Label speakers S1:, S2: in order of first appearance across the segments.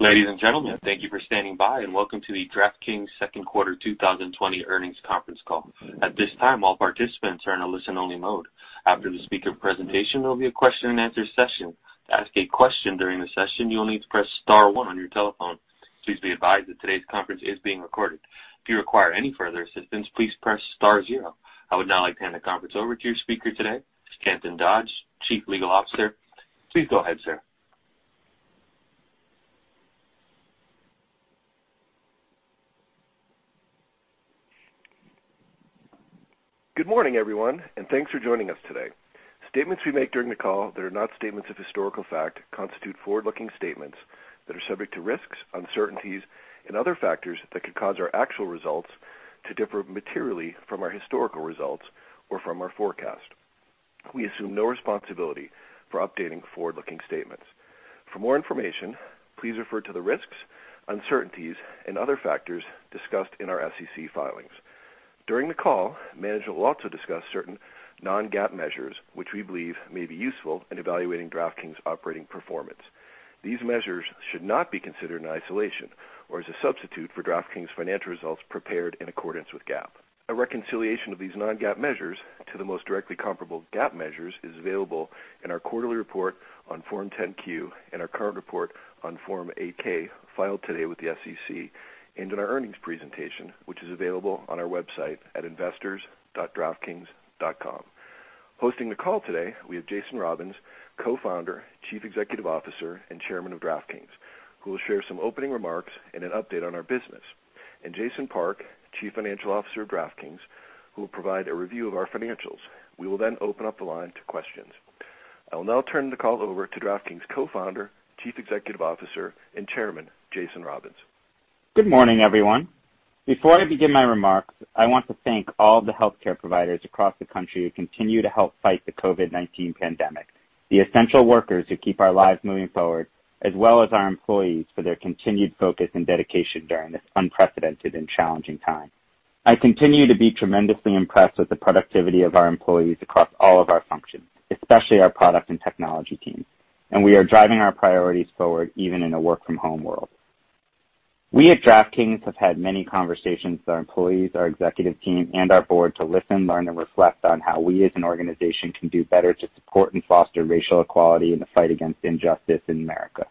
S1: Ladies and gentlemen, thank you for standing by and welcome to the DraftKings second quarter 2020 earnings conference call. At this time, all participants are in a listen-only mode. After the speaker presentation, there'll be a question-and-answer session. To ask a question during the session, you'll need to press star one on your telephone. Please be advised that today's conference is being recorded. If you require any further assistance, please press star zero. I would now like to hand the conference over to your speaker today, Stanton Dodge, Chief Legal Officer. Please go ahead, sir.
S2: Good morning, everyone, and thanks for joining us today. Statements we make during the call that are not statements of historical fact constitute forward-looking statements that are subject to risks, uncertainties and other factors that could cause our actual results to differ materially from our historical results or from our forecast. We assume no responsibility for updating forward-looking statements. For more information, please refer to the risks, uncertainties and other factors discussed in our SEC filings. During the call, management will also discuss certain non-GAAP measures which we believe may be useful in evaluating DraftKings' operating performance. These measures should not be considered in isolation or as a substitute for DraftKings' financial results prepared in accordance with GAAP. A reconciliation of these non-GAAP measures to the most directly comparable GAAP measures is available in our quarterly report on Form 10-Q and our current report on Form 8-K filed today with the SEC and in our earnings presentation, which is available on our website at investors.draftkings.com. Hosting the call today, we have Jason Robins, co-founder, Chief Executive Officer and Chairman of DraftKings, who will share some opening remarks and an update on our business, and Jason Park, Chief Financial Officer of DraftKings, who will provide a review of our financials. We will open up the line to questions. I will now turn the call over to DraftKings' co-founder, Chief Executive Officer and Chairman, Jason Robins.
S3: Good morning, everyone. Before I begin my remarks, I want to thank all the healthcare providers across the country who continue to help fight the COVID-19 pandemic, the essential workers who keep our lives moving forward, as well as our employees for their continued focus and dedication during this unprecedented and challenging time. I continue to be tremendously impressed with the productivity of our employees across all of our functions, especially our product and technology teams, and we are driving our priorities forward even in a work-from-home world. We at DraftKings have had many conversations with our employees, our executive team and our board to listen, learn and reflect on how we as an organization can do better to support and foster racial equality in the fight against injustice in America.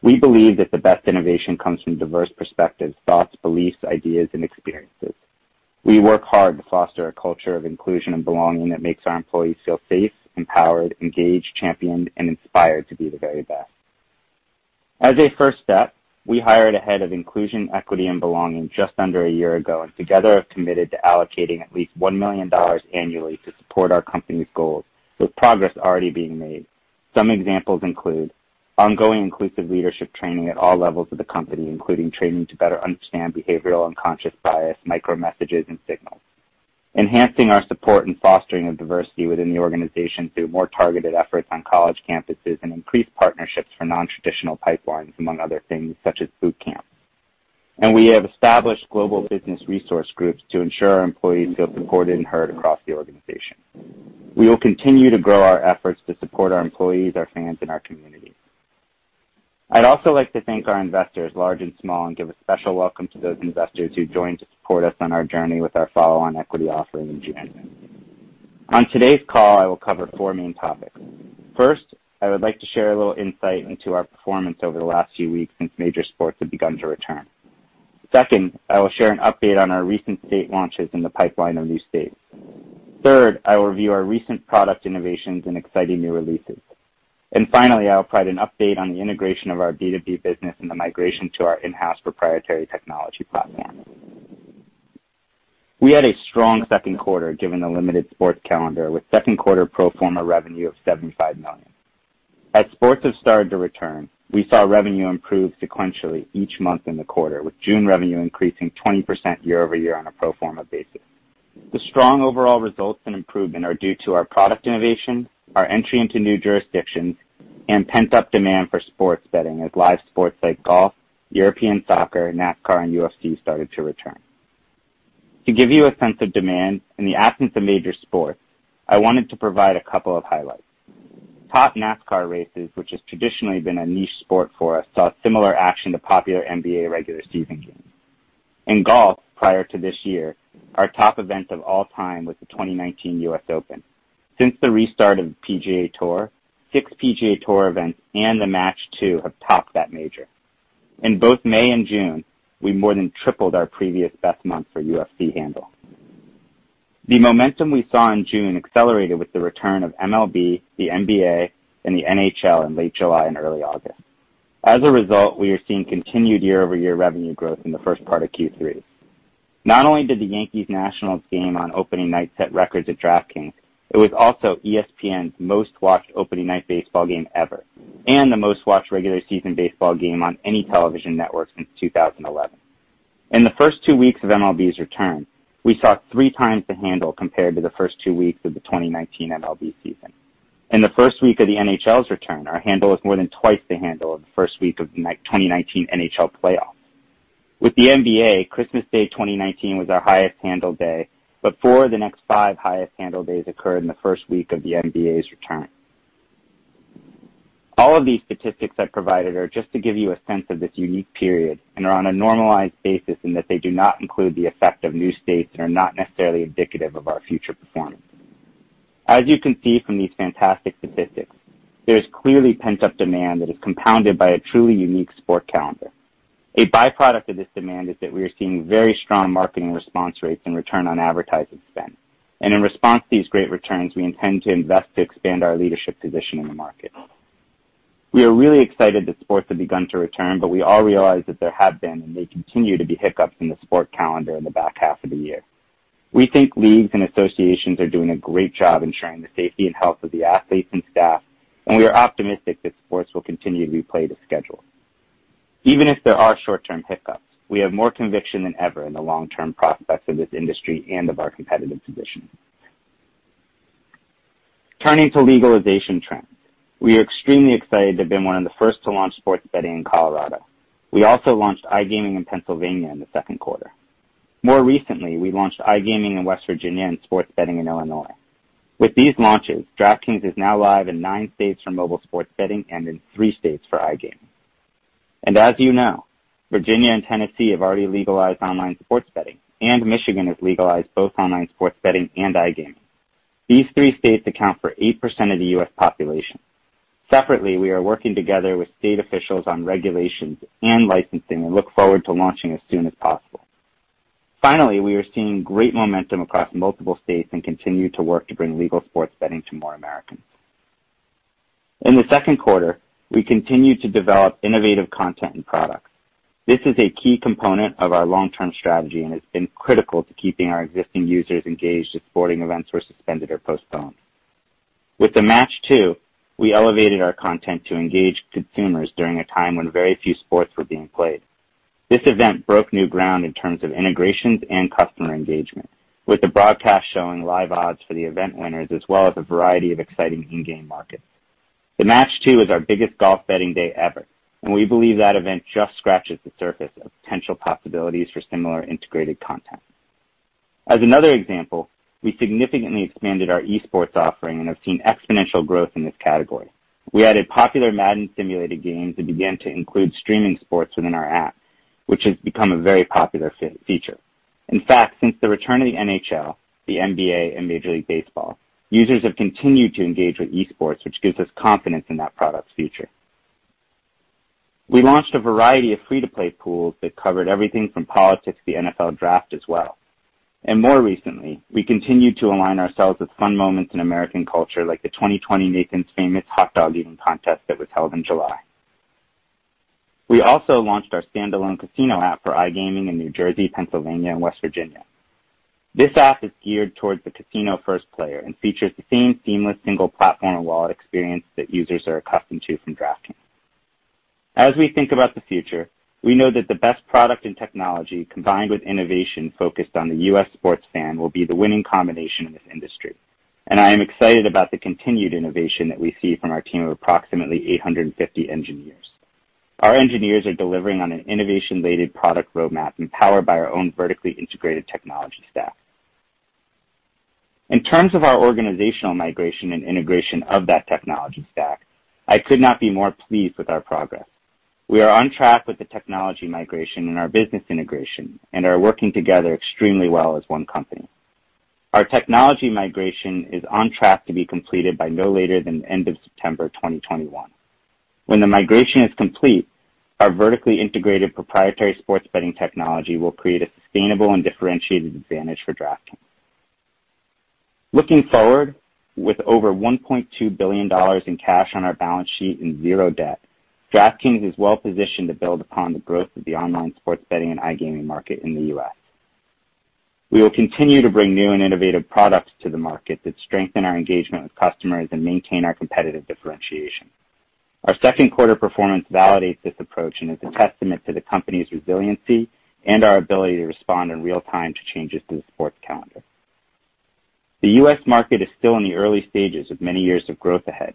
S3: We believe that the best innovation comes from diverse perspectives, thoughts, beliefs, ideas and experiences. We work hard to foster a culture of inclusion and belonging that makes our employees feel safe, empowered, engaged, championed and inspired to be the very best. As a first step, we hired a head of inclusion, equity and belonging just under one year ago and together have committed to allocating at least $1 million annually to support our company's goals, with progress already being made. Some examples include ongoing inclusive leadership training at all levels of the company, including training to better understand behavioral unconscious bias, micro messages and signals. Enhancing our support and fostering of diversity within the organization through more targeted efforts on college campuses and increased partnerships for non-traditional pipelines, among other things, such as boot camp. We have established global business resource groups to ensure our employees feel supported and heard across the organization. We will continue to grow our efforts to support our employees, our fans and our community. I'd also like to thank our investors, large and small, and give a special welcome to those investors who joined to support us on our journey with our follow-on equity offering in June. On today's call, I will cover four main topics. First, I would like to share a little insight into our performance over the last few weeks since major sports have begun to return. Second, I will share an update on our recent state launches in the pipeline of new states. Third, I will review our recent product innovations and exciting new releases. Finally, I'll provide an update on the integration of our B2B business and the migration to our in-house proprietary technology platform. We had a strong second quarter given the limited sports calendar with second quarter pro forma revenue of $75 million. As sports have started to return, we saw revenue improve sequentially each month in the quarter, with June revenue increasing 20% year-over-year on a pro forma basis. The strong overall results and improvement are due to our product innovation, our entry into new jurisdictions and pent-up demand for sports betting as live sports like golf, European soccer, NASCAR and UFC started to return. To give you a sense of demand in the absence of major sports, I wanted to provide a couple of highlights. Top NASCAR races, which has traditionally been a niche sport for us, saw similar action to popular NBA regular season games. In golf, prior to this year, our top event of all time was the 2019 U.S. Open. Since the restart of PGA Tour, six PGA Tour events and The Match II have topped that major. In both May and June, we more than tripled our previous best month for UFC handle. The momentum we saw in June accelerated with the return of MLB, the NBA and the NHL in late July and early August. As a result, we are seeing continued year-over-year revenue growth in the first part of Q3. Not only did the Yankees-Nationals game on opening night set records at DraftKings, it was also ESPN's most-watched opening night baseball game ever and the most-watched regular season baseball game on any television network since 2011. In the first two weeks of MLB's return, we saw three times the handle compared to the first two weeks of the 2019 MLB season. In the first week of the NHL's return, our handle was more than twice the handle of the first week of the 2019 NHL playoff. With the NBA, Christmas Day 2019 was our highest handle day, but four of the next five highest handle days occurred in the first week of the NBA's return. All of these statistics I've provided are just to give you a sense of this unique period and are on a normalized basis in that they do not include the effect of new states and are not necessarily indicative of our future performance. As you can see from these fantastic statistics, there is clearly pent-up demand that is compounded by a truly unique sport calendar. A byproduct of this demand is that we are seeing very strong marketing response rates and return on advertising spend. In response to these great returns, we intend to invest to expand our leadership position in the market. We are really excited that sports have begun to return, we all realize that there have been, and may continue to be, hiccups in the sport calendar in the back half of the year. We think leagues and associations are doing a great job ensuring the safety and health of the athletes and staff, we are optimistic that sports will continue to replay the schedule. Even if there are short-term hiccups, we have more conviction than ever in the long-term prospects of this industry and of our competitive position. Turning to legalization trends. We are extremely excited to have been one of the first to launch sports betting in Colorado. We also launched iGaming in Pennsylvania in the second quarter. More recently, we launched iGaming in West Virginia and sports betting in Illinois. With these launches, DraftKings is now live in nine states for mobile sports betting and in three states for iGaming. As you know, Virginia and Tennessee have already legalized online sports betting, and Michigan has legalized both online sports betting and iGaming. These three states account for 8% of the U.S. population. Separately, we are working together with state officials on regulations and licensing and look forward to launching as soon as possible. Finally, we are seeing great momentum across multiple states and continue to work to bring legal sports betting to more Americans. In the second quarter, we continued to develop innovative content and products. This is a key component of our long-term strategy and has been critical to keeping our existing users engaged as sporting events were suspended or postponed. With The Match II, we elevated our content to engage consumers during a time when very few sports were being played. This event broke new ground in terms of integrations and customer engagement, with the broadcast showing live odds for the event winners, as well as a variety of exciting in-game markets. The Match II is our biggest golf betting day ever, and we believe that event just scratches the surface of potential possibilities for similar integrated content. As another example, we significantly expanded our esports offering and have seen exponential growth in this category. We added popular Madden simulated games and began to include streaming sports within our app, which has become a very popular feature. In fact, since the return of the NHL, the NBA, and Major League Baseball, users have continued to engage with esports, which gives us confidence in that product's future. We launched a variety of free-to-play pools that covered everything from politics to the NFL Draft as well. More recently, we continued to align ourselves with fun moments in American culture, like the 2020 Nathan's Famous Hot Dog Eating Contest that was held in July. We also launched our standalone casino app for iGaming in New Jersey, Pennsylvania, and West Virginia. This app is geared towards the casino-first player and features the same seamless single platform and wallet experience that users are accustomed to from DraftKings. As we think about the future, we know that the best product and technology, combined with innovation focused on the U.S. sports fan, will be the winning combination in this industry, and I am excited about the continued innovation that we see from our team of approximately 850 engineers. Our engineers are delivering on an innovation-laden product roadmap empowered by our own vertically integrated technology stack. In terms of our organizational migration and integration of that technology stack, I could not be more pleased with our progress. We are on track with the technology migration and our business integration and are working together extremely well as one company. Our technology migration is on track to be completed by no later than the end of September 2021. When the migration is complete, our vertically integrated proprietary sports betting technology will create a sustainable and differentiated advantage for DraftKings. Looking forward, with over $1.2 billion in cash on our balance sheet and zero debt, DraftKings is well-positioned to build upon the growth of the online sports betting and iGaming market in the U.S. We will continue to bring new and innovative products to the market that strengthen our engagement with customers and maintain our competitive differentiation. Our second quarter performance validates this approach and is a testament to the company's resiliency and our ability to respond in real time to changes in the sports calendar. The U.S. market is still in the early stages with many years of growth ahead.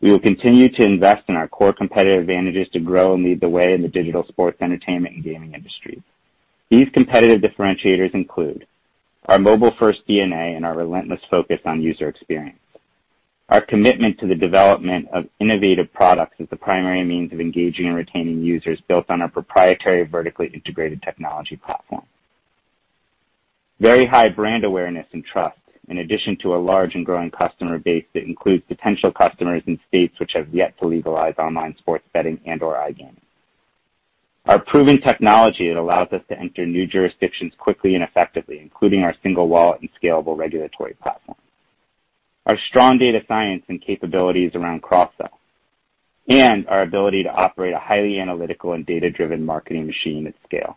S3: We will continue to invest in our core competitive advantages to grow and lead the way in the digital sports entertainment and gaming industry. These competitive differentiators include our mobile-first DNA and our relentless focus on user experience. Our commitment to the development of innovative products as the primary means of engaging and retaining users built on our proprietary, vertically integrated technology platform. Very high brand awareness and trust, in addition to a large and growing customer base that includes potential customers in states which have yet to legalize online sports betting and/or iGaming. Our proven technology that allows us to enter new jurisdictions quickly and effectively, including our single wallet and scalable regulatory platform. Our strong data science and capabilities around cross-sell, and our ability to operate a highly analytical and data-driven marketing machine at scale.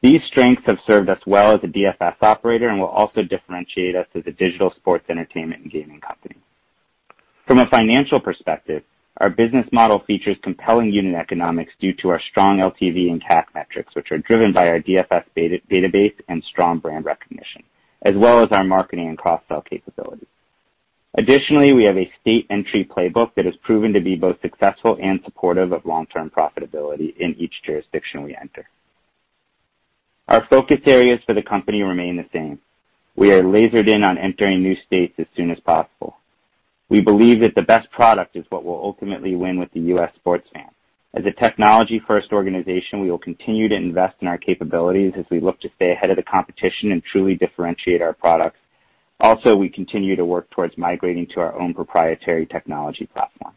S3: These strengths have served us well as a DFS operator and will also differentiate us as a digital sports entertainment and gaming company. From a financial perspective, our business model features compelling unit economics due to our strong LTV and CAC metrics, which are driven by our DFS database and strong brand recognition, as well as our marketing and cross-sell capabilities. Additionally, we have a state entry playbook that has proven to be both successful and supportive of long-term profitability in each jurisdiction we enter. Our focus areas for the company remain the same. We are lasered in on entering new states as soon as possible. We believe that the best product is what will ultimately win with the U.S. sports fan. As a technology-first organization, we will continue to invest in our capabilities as we look to stay ahead of the competition and truly differentiate our products. We continue to work towards migrating to our own proprietary technology platform.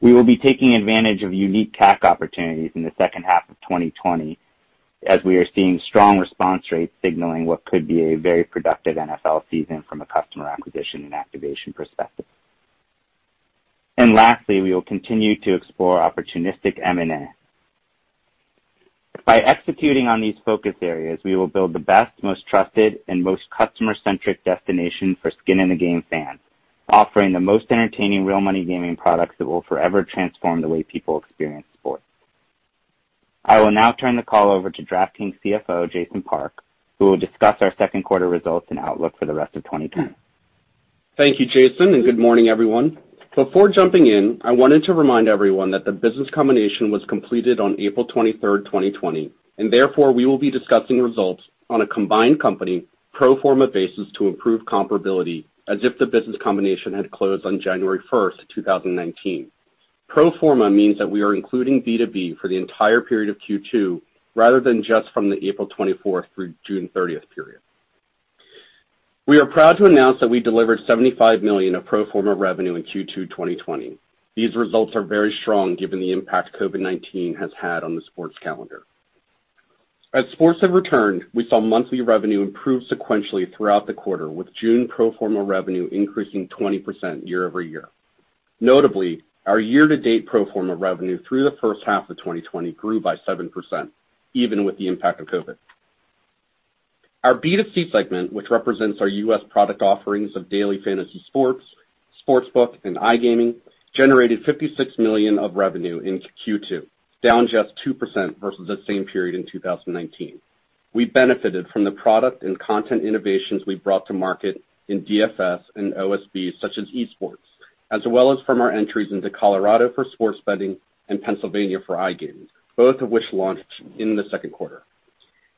S3: We will be taking advantage of unique CAC opportunities in the second half of 2020, as we are seeing strong response rates signaling what could be a very productive NFL season from a customer acquisition and activation perspective. Lastly, we will continue to explore opportunistic M&A. By executing on these focus areas, we will build the best, most trusted, and most customer-centric destination for skin in the game fans, offering the most entertaining real money gaming products that will forever transform the way people experience sports. I will now turn the call over to DraftKings CFO, Jason Park, who will discuss our second quarter results and outlook for the rest of 2020.
S4: Thank you, Jason. Good morning, everyone. Before jumping in, I wanted to remind everyone that the business combination was completed on April 23rd, 2020. Therefore, we will be discussing results on a combined company pro forma basis to improve comparability as if the business combination had closed on January 1st, 2019. Pro forma means that we are including B2B for the entire period of Q2 rather than just from the April 24th through June 30th period. We are proud to announce that we delivered $75 million of pro forma revenue in Q2, 2020. These results are very strong given the impact COVID-19 has had on the sports calendar. As sports have returned, we saw monthly revenue improve sequentially throughout the quarter with June pro forma revenue increasing 20% year-over-year. Notably, our year-to-date pro forma revenue through the first half of 2020 grew by 7%, even with the impact of COVID-19. Our B2C segment, which represents our U.S. product offerings of Daily Fantasy Sports, Sportsbook, and iGaming, generated $56 million of revenue in Q2, down just 2% versus the same period in 2019. We benefited from the product and content innovations we brought to market in DFS and OSB, such as esports, as well as from our entries into Colorado for sports betting and Pennsylvania for iGaming, both of which launched in the second quarter.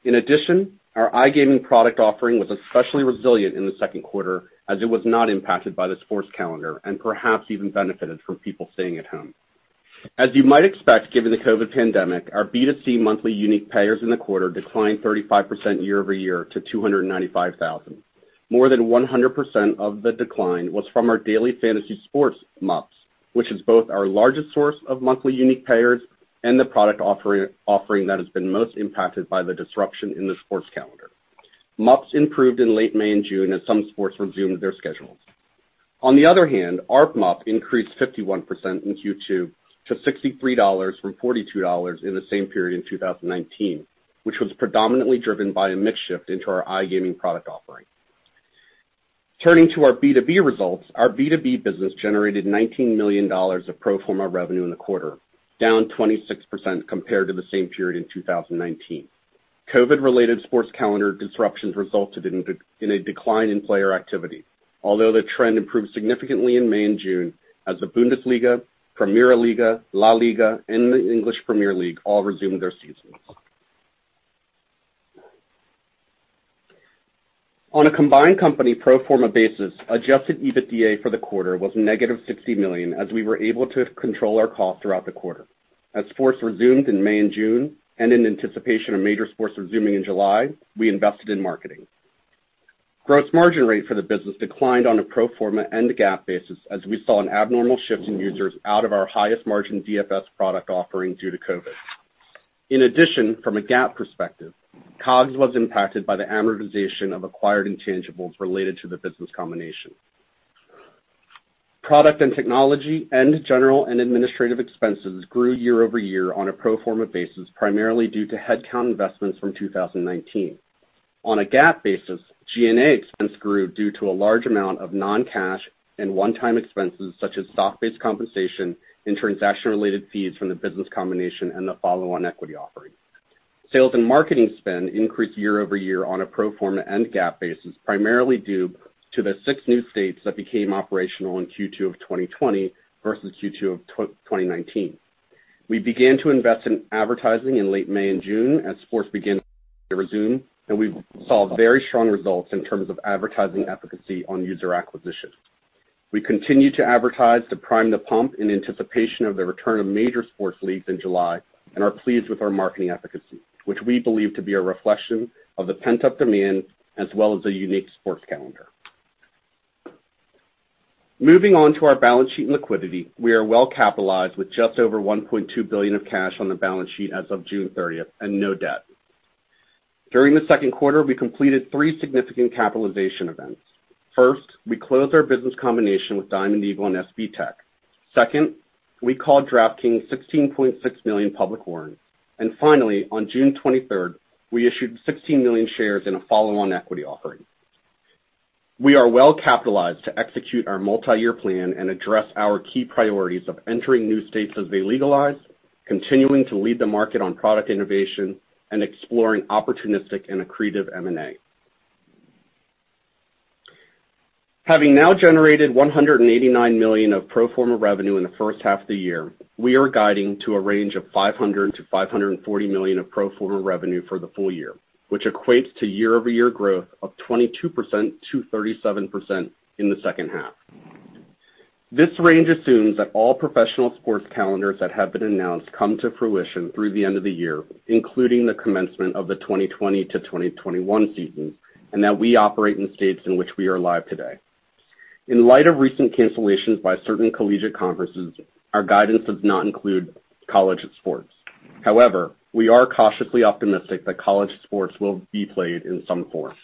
S4: In addition, our iGaming product offering was especially resilient in the second quarter as it was not impacted by the sports calendar and perhaps even benefited from people staying at home. As you might expect, given the COVID-19 pandemic, our B2C monthly unique payers in the quarter declined 35% year-over-year to 295,000. More than 100% of the decline was from our Daily Fantasy Sports MUPs, which is both our largest source of monthly unique payers and the product offering that has been most impacted by the disruption in the sports calendar. MUPs improved in late May and June as some sports resumed their schedules. On the other hand, ARPMUP increased 51% in Q2 to $63 from $42 in the same period in 2019, which was predominantly driven by a mix shift into our iGaming product offering. Turning to our B2B results. Our B2B business generated $19 million of pro forma revenue in the quarter, down 26% compared to the same period in 2019. COVID-related sports calendar disruptions resulted in a decline in player activity. Although the trend improved significantly in May and June as the Bundesliga, Primeira Liga, La Liga, and the English Premier League all resumed their seasons. On a combined company pro forma basis, adjusted EBITDA for the quarter was negative $60 million, as we were able to control our cost throughout the quarter. As sports resumed in May and June, and in anticipation of major sports resuming in July, we invested in marketing. Gross margin rate for the business declined on a pro forma and GAAP basis as we saw an abnormal shift in users out of our highest margin DFS product offering due to COVID. In addition, from a GAAP perspective, COGS was impacted by the amortization of acquired intangibles related to the business combination. Product and technology and general and administrative expenses grew year-over-year on a pro forma basis, primarily due to headcount investments from 2019. On a GAAP basis, G&A expense grew due to a large amount of non-cash and one-time expenses such as stock-based compensation and transaction-related fees from the business combination and the follow-on equity offering. Sales and marketing spend increased year-over-year on a pro forma and GAAP basis, primarily due to the six new states that became operational in Q2 of 2020 versus Q2 of 2019. We began to invest in advertising in late May and June as sports began to resume, and we saw very strong results in terms of advertising efficacy on user acquisition. We continue to advertise to prime the pump in anticipation of the return of major sports leagues in July and are pleased with our marketing efficacy, which we believe to be a reflection of the pent-up demand as well as a unique sports calendar. Moving on to our balance sheet and liquidity. We are well-capitalized with just over $1.2 billion of cash on the balance sheet as of June 30th and no debt. During the second quarter, we completed three significant capitalization events. First, we closed our business combination with Diamond Eagle and SBTech. Second, we called DraftKings 16.6 million public warrants. Finally, on June 23rd, we issued 16 million shares in a follow-on equity offering. We are well-capitalized to execute our multi-year plan and address our key priorities of entering new states as they legalize, continuing to lead the market on product innovation and exploring opportunistic and accretive M&A. Having now generated $189 million of pro forma revenue in the first half of the year, we are guiding to a range of $500 million-$540 million of pro forma revenue for the full year, which equates to year-over-year growth of 22%-37% in the second half. This range assumes that all professional sports calendars that have been announced come to fruition through the end of the year, including the commencement of the 2020 to 2021 season, and that we operate in states in which we are live today. In light of recent cancellations by certain collegiate conferences, our guidance does not include college sports. We are cautiously optimistic that college sports will be played in some form.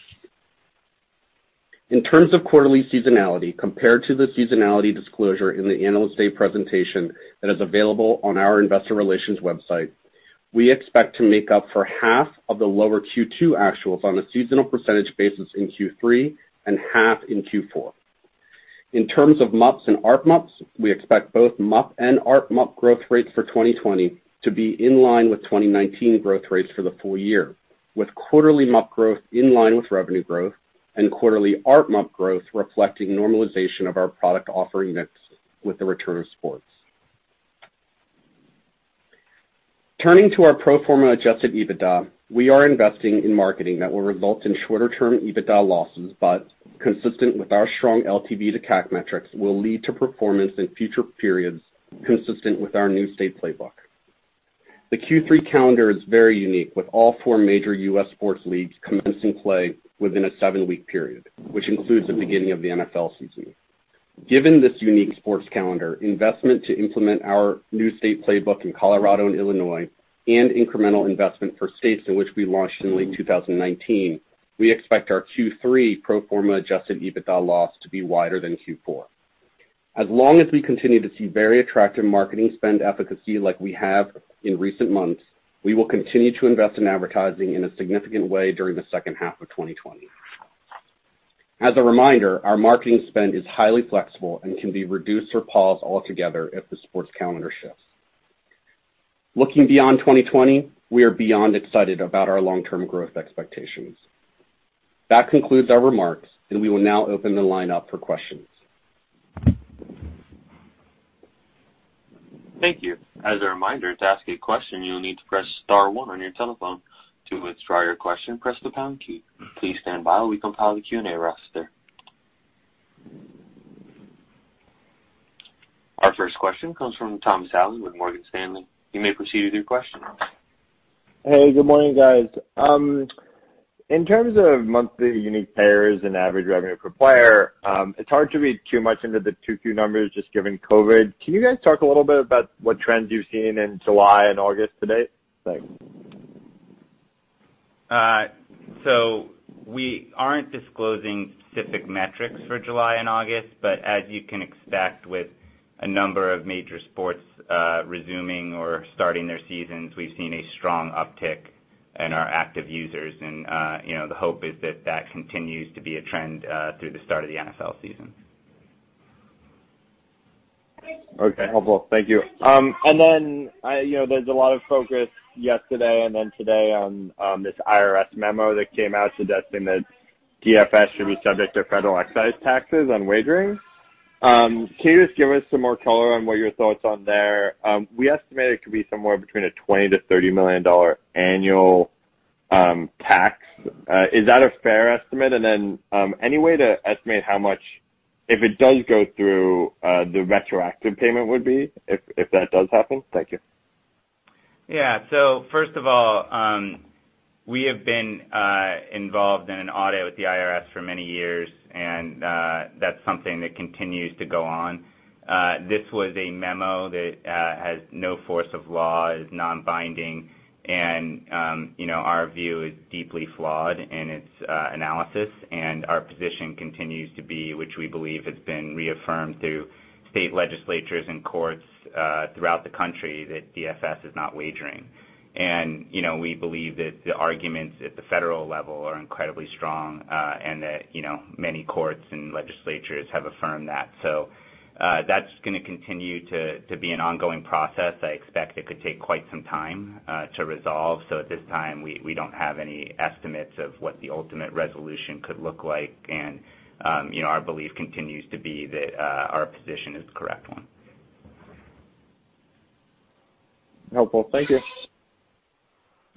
S4: In terms of quarterly seasonality, compared to the seasonality disclosure in the Analyst Day presentation that is available on our investor relations website, we expect to make up for half of the lower Q2 actuals on a seasonal percentage basis in Q3 and half in Q4. In terms of MUPs and ARPMUPs, we expect both MUP and ARPMUP growth rates for 2020 to be in line with 2019 growth rates for the full year, with quarterly MUP growth in line with revenue growth and quarterly ARPMUP growth reflecting normalization of our product offering mix with the return of sports. Turning to our pro forma adjusted EBITDA, we are investing in marketing that will result in shorter term EBITDA losses, but consistent with our strong LTV to CAC metrics will lead to performance in future periods consistent with our new state playbook. The Q3 calendar is very unique, with all four major U.S. sports leagues commencing play within a seven-week period, which includes the beginning of the NFL season. Given this unique sports calendar, investment to implement our new state playbook in Colorado and Illinois and incremental investment for states in which we launched in late 2019, we expect our Q3 pro forma adjusted EBITDA loss to be wider than Q4. As long as we continue to see very attractive marketing spend efficacy like we have in recent months, we will continue to invest in advertising in a significant way during the second half of 2020. As a reminder, our marketing spend is highly flexible and can be reduced or paused altogether if the sports calendar shifts. Looking beyond 2020, we are beyond excited about our long-term growth expectations. That concludes our remarks, and we will now open the line up for questions.
S1: Thank you. As a reminder, to ask a question, you will need to press star one on your telephone. To withdraw your question, press the pound key. Please stand by while we compile the Q&A roster. Our first question comes from Thomas Allen with Morgan Stanley. You may proceed with your question.
S5: Hey, good morning, guys. In terms of Monthly Unique Payers and Average Revenue Per Player, it's hard to read too much into the 2Q numbers just given COVID. Can you guys talk a little bit about what trends you've seen in July and August to date? Thanks.
S4: We aren't disclosing specific metrics for July and August, but as you can expect with a number of major sports, resuming or starting their seasons, we've seen a strong uptick in our active users. You know, the hope is that that continues to be a trend through the start of the NFL season.
S5: Okay, helpful. Thank you. Then there's a lot of focus yesterday and then today on this IRS memo that came out suggesting that DFS should be subject to federal excise taxes on wagering. Can you just give us some more color on what your thoughts on there? We estimate it could be somewhere between a $20 million-$30 million annual tax. Is that a fair estimate? Then, any way to estimate how much, if it does go through, the retroactive payment would be if that does happen? Thank you.
S3: Yeah. First of all, we have been involved in an audit with the IRS for many years, and that's something that continues to go on. This was a memo that has no force of law, is non-binding, and, you know, our view is deeply flawed in its analysis. Our position continues to be, which we believe has been reaffirmed through state legislatures and courts throughout the country, that DFS is not wagering. You know, we believe that the arguments at the federal level are incredibly strong, and that, you know, many courts and legislatures have affirmed that. That's gonna continue to be an ongoing process. I expect it could take quite some time to resolve. At this time, we don't have any estimates of what the ultimate resolution could look like. You know, our belief continues to be that our position is the correct one.
S5: Helpful. Thank you.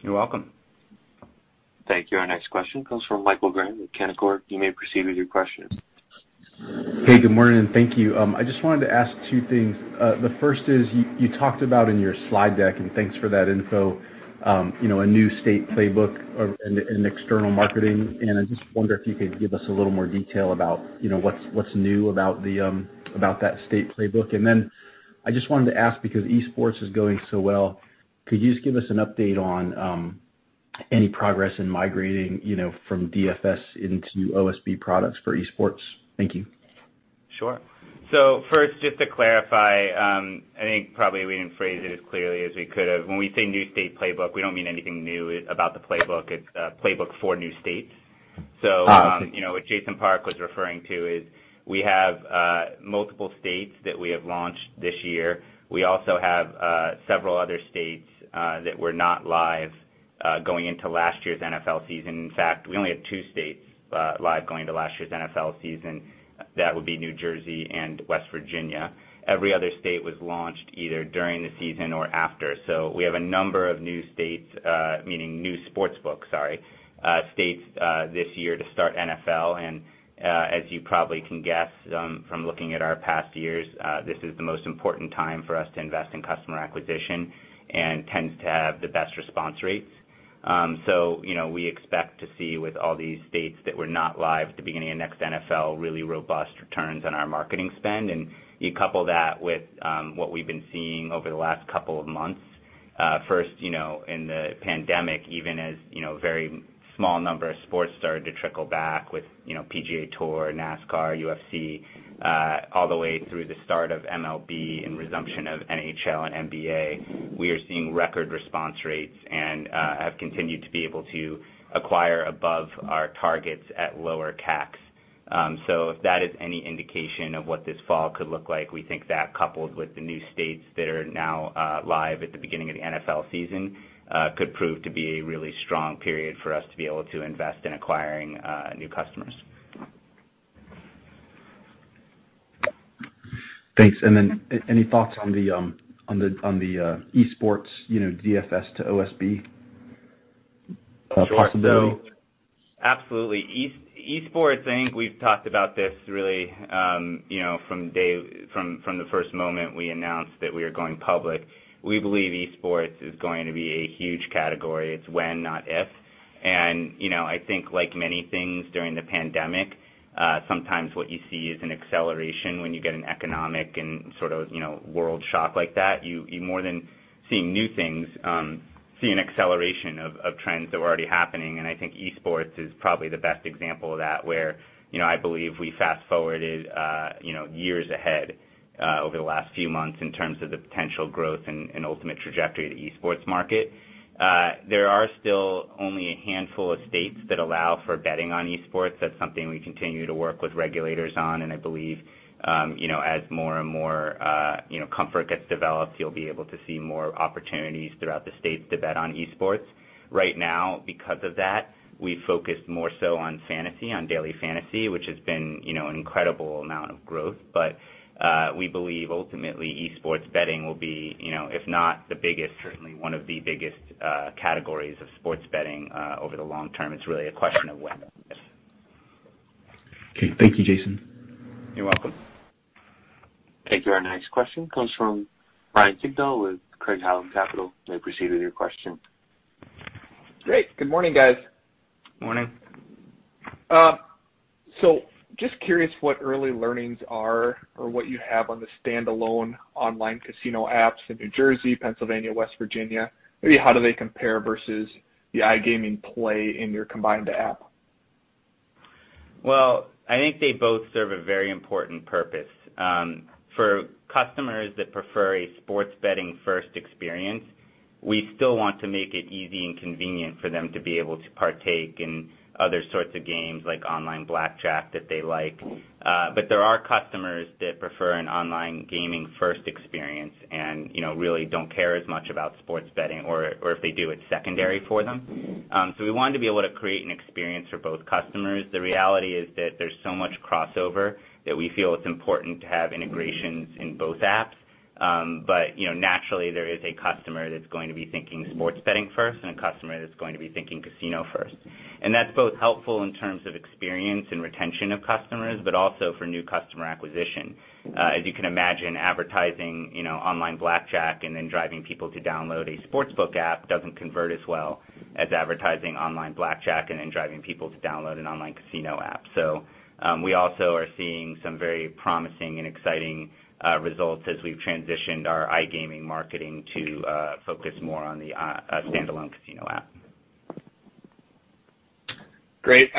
S4: You're welcome.
S1: Thank you. Our next question comes from Michael Graham with Canaccord. You may proceed with your question.
S6: Hey, good morning. Thank you. I just wanted to ask two things. The first is you talked about in your slide deck, and thanks for that info, you know, a new state playbook or and external marketing, and I just wonder if you could give us a little more detail about, you know, what's new about the about that state playbook. Then I just wanted to ask because esports is going so well, could you just give us an update on any progress in migrating, you know, from DFS into OSB products for esports? Thank you.
S4: Sure. First, just to clarify, I think probably we didn't phrase it as clearly as we could have. When we say new state playbook, we don't mean anything new about the playbook. It's a playbook for new states.
S3: You know, what Jason Park was referring to is we have multiple states that we have launched this year. We also have several other states that were not live going into last year's NFL season. In fact, we only had two states live going to last year's NFL season. That would be New Jersey and West Virginia. Every other state was launched either during the season or after. We have a number of new states, meaning new Sportsbook, sorry, states, this year to start NFL. As you probably can guess, from looking at our past years, this is the most important time for us to invest in customer acquisition and tends to have the best response rates. You know, we expect to see with all these states that were not live at the beginning of next NFL, really robust returns on our marketing spend. You couple that with what we've been seeing over the last couple of months, first, you know, in the pandemic, even as, you know, very small number of sports started to trickle back with, you know, PGA Tour, NASCAR, UFC, all the way through the start of MLB and resumption of NHL and NBA. We are seeing record response rates and have continued to be able to acquire above our targets at lower caps. If that is any indication of what this fall could look like, we think that coupled with the new states that are now live at the beginning of the NFL season, could prove to be a really strong period for us to be able to invest in acquiring new customers.
S6: Thanks. Any thoughts on the esports, you know, DFS to OSB possibility?
S3: Sure. Absolutely. Esports, I think we've talked about this really, you know, from the first moment we announced that we are going public. We believe esports is going to be a huge category. It's when, not if. You know, I think like many things during the pandemic, sometimes what you see is an acceleration when you get an economic and sort of, you know, world shock like that. You more than seeing new things, see an acceleration of trends that were already happening. I think esports is probably the best example of that, where, you know, I believe we fast-forwarded, you know, years ahead, over the last few months in terms of the potential growth and ultimate trajectory of the esports market. There are still only a handful of states that allow for betting on esports. That's something we continue to work with regulators on, and I believe, you know, as more and more, you know, comfort gets developed, you'll be able to see more opportunities throughout the states to bet on esports. Right now, because of that, we focus more so on fantasy, on daily fantasy, which has been, you know, an incredible amount of growth. We believe ultimately esports betting will be, you know, if not the biggest, certainly one of the biggest categories of sports betting over the long term. It's really a question of when, not if.
S6: Okay. Thank you, Jason.
S3: You're welcome.
S1: Thank you. Our next question comes from Ryan Sigdahl with Craig-Hallum Capital. We'll proceed with your question.
S7: Great. Good morning, guys.
S3: Morning.
S7: Just curious what early learnings are or what you have on the standalone online casino apps in New Jersey, Pennsylvania, West Virginia? How do they compare versus the iGaming play in your combined app?
S3: Well, I think they both serve a very important purpose. For customers that prefer a sports betting first experience, we still want to make it easy and convenient for them to be able to partake in other sorts of games like online blackjack that they like. There are customers that prefer an online gaming first experience and, you know, really don't care as much about sports betting or if they do, it's secondary for them. We wanted to be able to create an experience for both customers. The reality is that there's so much crossover that we feel it's important to have integrations in both apps. You know, naturally there is a customer that's going to be thinking sports betting first and a customer that's going to be thinking casino first. That's both helpful in terms of experience and retention of customers, but also for new customer acquisition. As you can imagine, advertising, you know, online blackjack and then driving people to download a Sportsbook app doesn't convert as well as advertising online blackjack and then driving people to download an online Casino app. We also are seeing some very promising and exciting results as we've transitioned our iGaming marketing to focus more on the standalone Casino app.
S7: Great.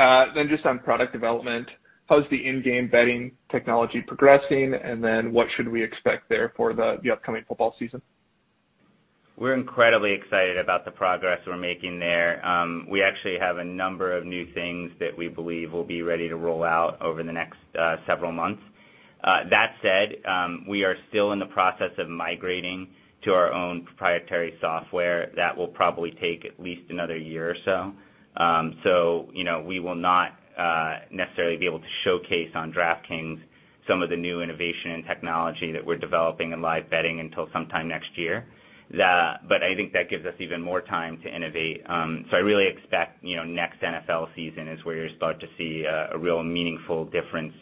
S7: Just on product development, how's the in-game betting technology progressing? What should we expect there for the upcoming football season?
S3: We're incredibly excited about the progress we're making there. We actually have a number of new things that we believe will be ready to roll out over the next several months. That said, we are still in the process of migrating to our own proprietary software. That will probably take at least another year or so. You know, we will not necessarily be able to showcase on DraftKings some of the new innovation and technology that we're developing in live betting until sometime next year. I think that gives us even more time to innovate. I really expect, you know, next NFL season is where you're start to see a real meaningful difference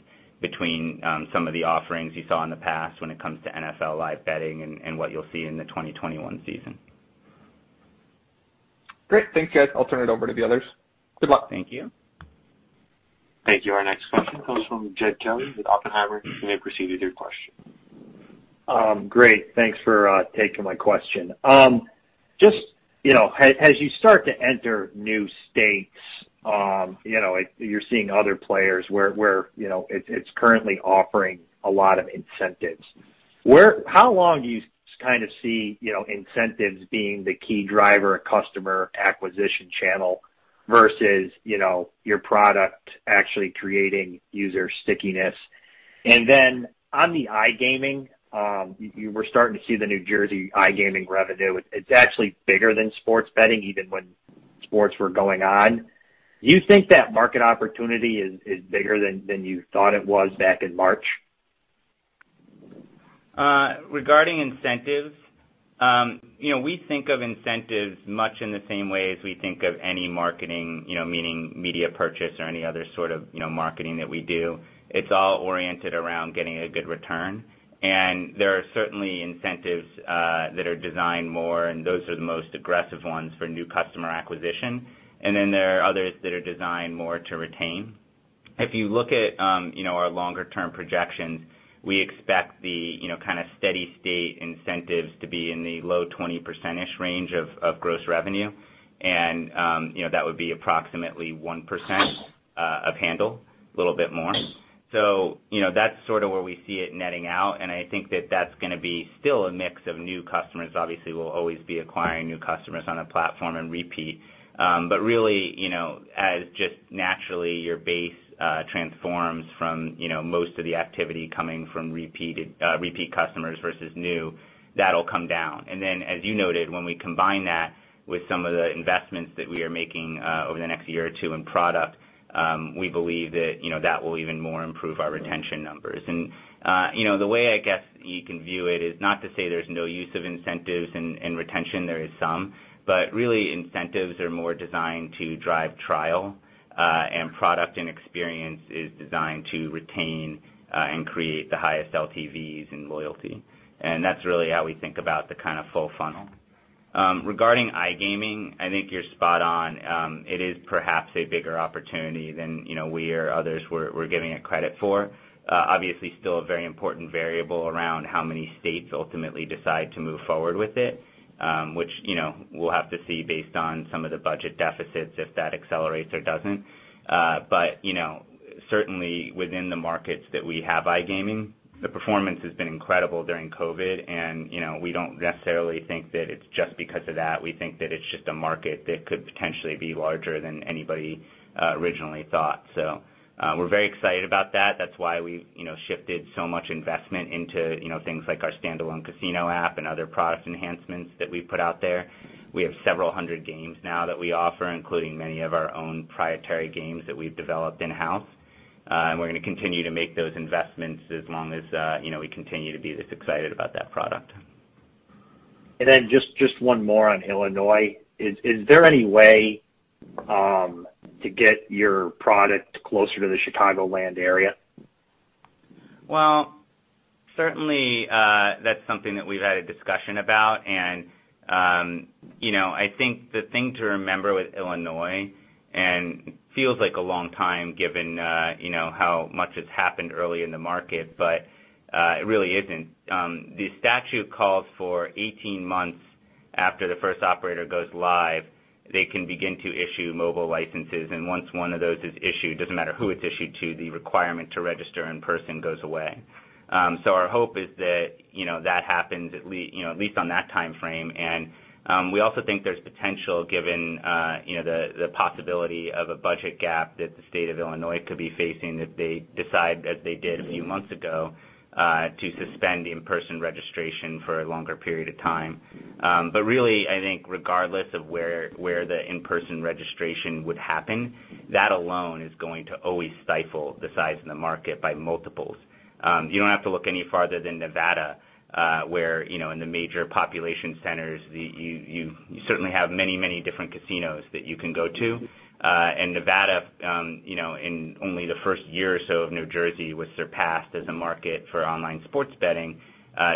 S3: between some of the offerings you saw in the past when it comes to NFL live betting and what you'll see in the 2021 season.
S7: Great. Thank you, guys. I'll turn it over to the others. Good luck.
S3: Thank you.
S1: Thank you. Our next question comes from Jed Kelly with Oppenheimer. You may proceed with your question.
S8: Great. Thanks for taking my question. Just, you know, as you start to enter new states, you know, you're seeing other players where, you know, it's currently offering a lot of incentives. How long do you kind of see, you know, incentives being the key driver customer acquisition channel versus, you know, your product actually creating user stickiness? Then on the iGaming, you were starting to see the New Jersey iGaming revenue. It's actually bigger than sports betting even when sports were going on. Do you think that market opportunity is bigger than you thought it was back in March?
S3: Regarding incentives, you know, we think of incentives much in the same way as we think of any marketing, you know, meaning media purchase or any other sort of, you know, marketing that we do. It's all oriented around getting a good return. There are certainly incentives that are designed more, and those are the most aggressive ones for new customer acquisition. Then there are others that are designed more to retain. If you look at, you know, our longer-term projections, we expect the, you know, kind of steady-state incentives to be in the low 20%-ish range of gross revenue. That would be approximately 1% of handle, a little bit more. You know, that's sort of where we see it netting out, I think that that's going to be still a mix of new customers. Obviously, we'll always be acquiring new customers on a platform and repeat. Really, you know, as just naturally your base transforms from, you know, most of the activity coming from repeat customers versus new, that'll come down. As you noted, when we combine that with some of the investments that we are making over the next year or two in product, we believe that, you know, that will even more improve our retention numbers. You know, the way I guess you can view it is not to say there's no use of incentives in retention, there is some, but really incentives are more designed to drive trial, and product and experience is designed to retain, and create the highest LTVs and loyalty. That's really how we think about the kind of full funnel. Regarding iGaming, I think you're spot on. It is perhaps a bigger opportunity than, you know, we or others were giving it credit for. Obviously, still a very important variable around how many states ultimately decide to move forward with it, which, you know, we'll have to see based on some of the budget deficits if that accelerates or doesn't. But, you know, certainly within the markets that we have iGaming, the performance has been incredible during COVID. We don't necessarily think that it's just because of that. We think that it's just a market that could potentially be larger than anybody originally thought. We're very excited about that. That's why we've, you know, shifted so much investment into, you know, things like our standalone casino app and other product enhancements that we put out there. We have several hundred games now that we offer, including many of our own proprietary games that we've developed in-house. We're gonna continue to make those investments as long as, you know, we continue to be this excited about that product.
S8: Then just one more on Illinois. Is there any way to get your product closer to the Chicagoland area?
S3: Well, certainly, that's something that we've had a discussion about. You know, I think the thing to remember with Illinois, and it feels like a long time given, you know, how much has happened early in the market, but it really isn't. The statute calls for 18 months after the first operator goes live, they can begin to issue mobile licenses. Once one of those is issued, doesn't matter who it's issued to, the requirement to register in person goes away. Our hope is that, you know, that happens at least on that timeframe. We also think there's potential given, you know, the possibility of a budget gap that the state of Illinois could be facing if they decide, as they did a few months ago, to suspend in-person registration for a longer period of time. Really, I think regardless of where the in-person registration would happen, that alone is going to always stifle the size of the market by multiples. You don't have to look any farther than Nevada, where, you know, in the major population centers, you certainly have many, many different casinos that you can go to. Nevada, you know, in only the first year or so of New Jersey was surpassed as a market for online sports betting,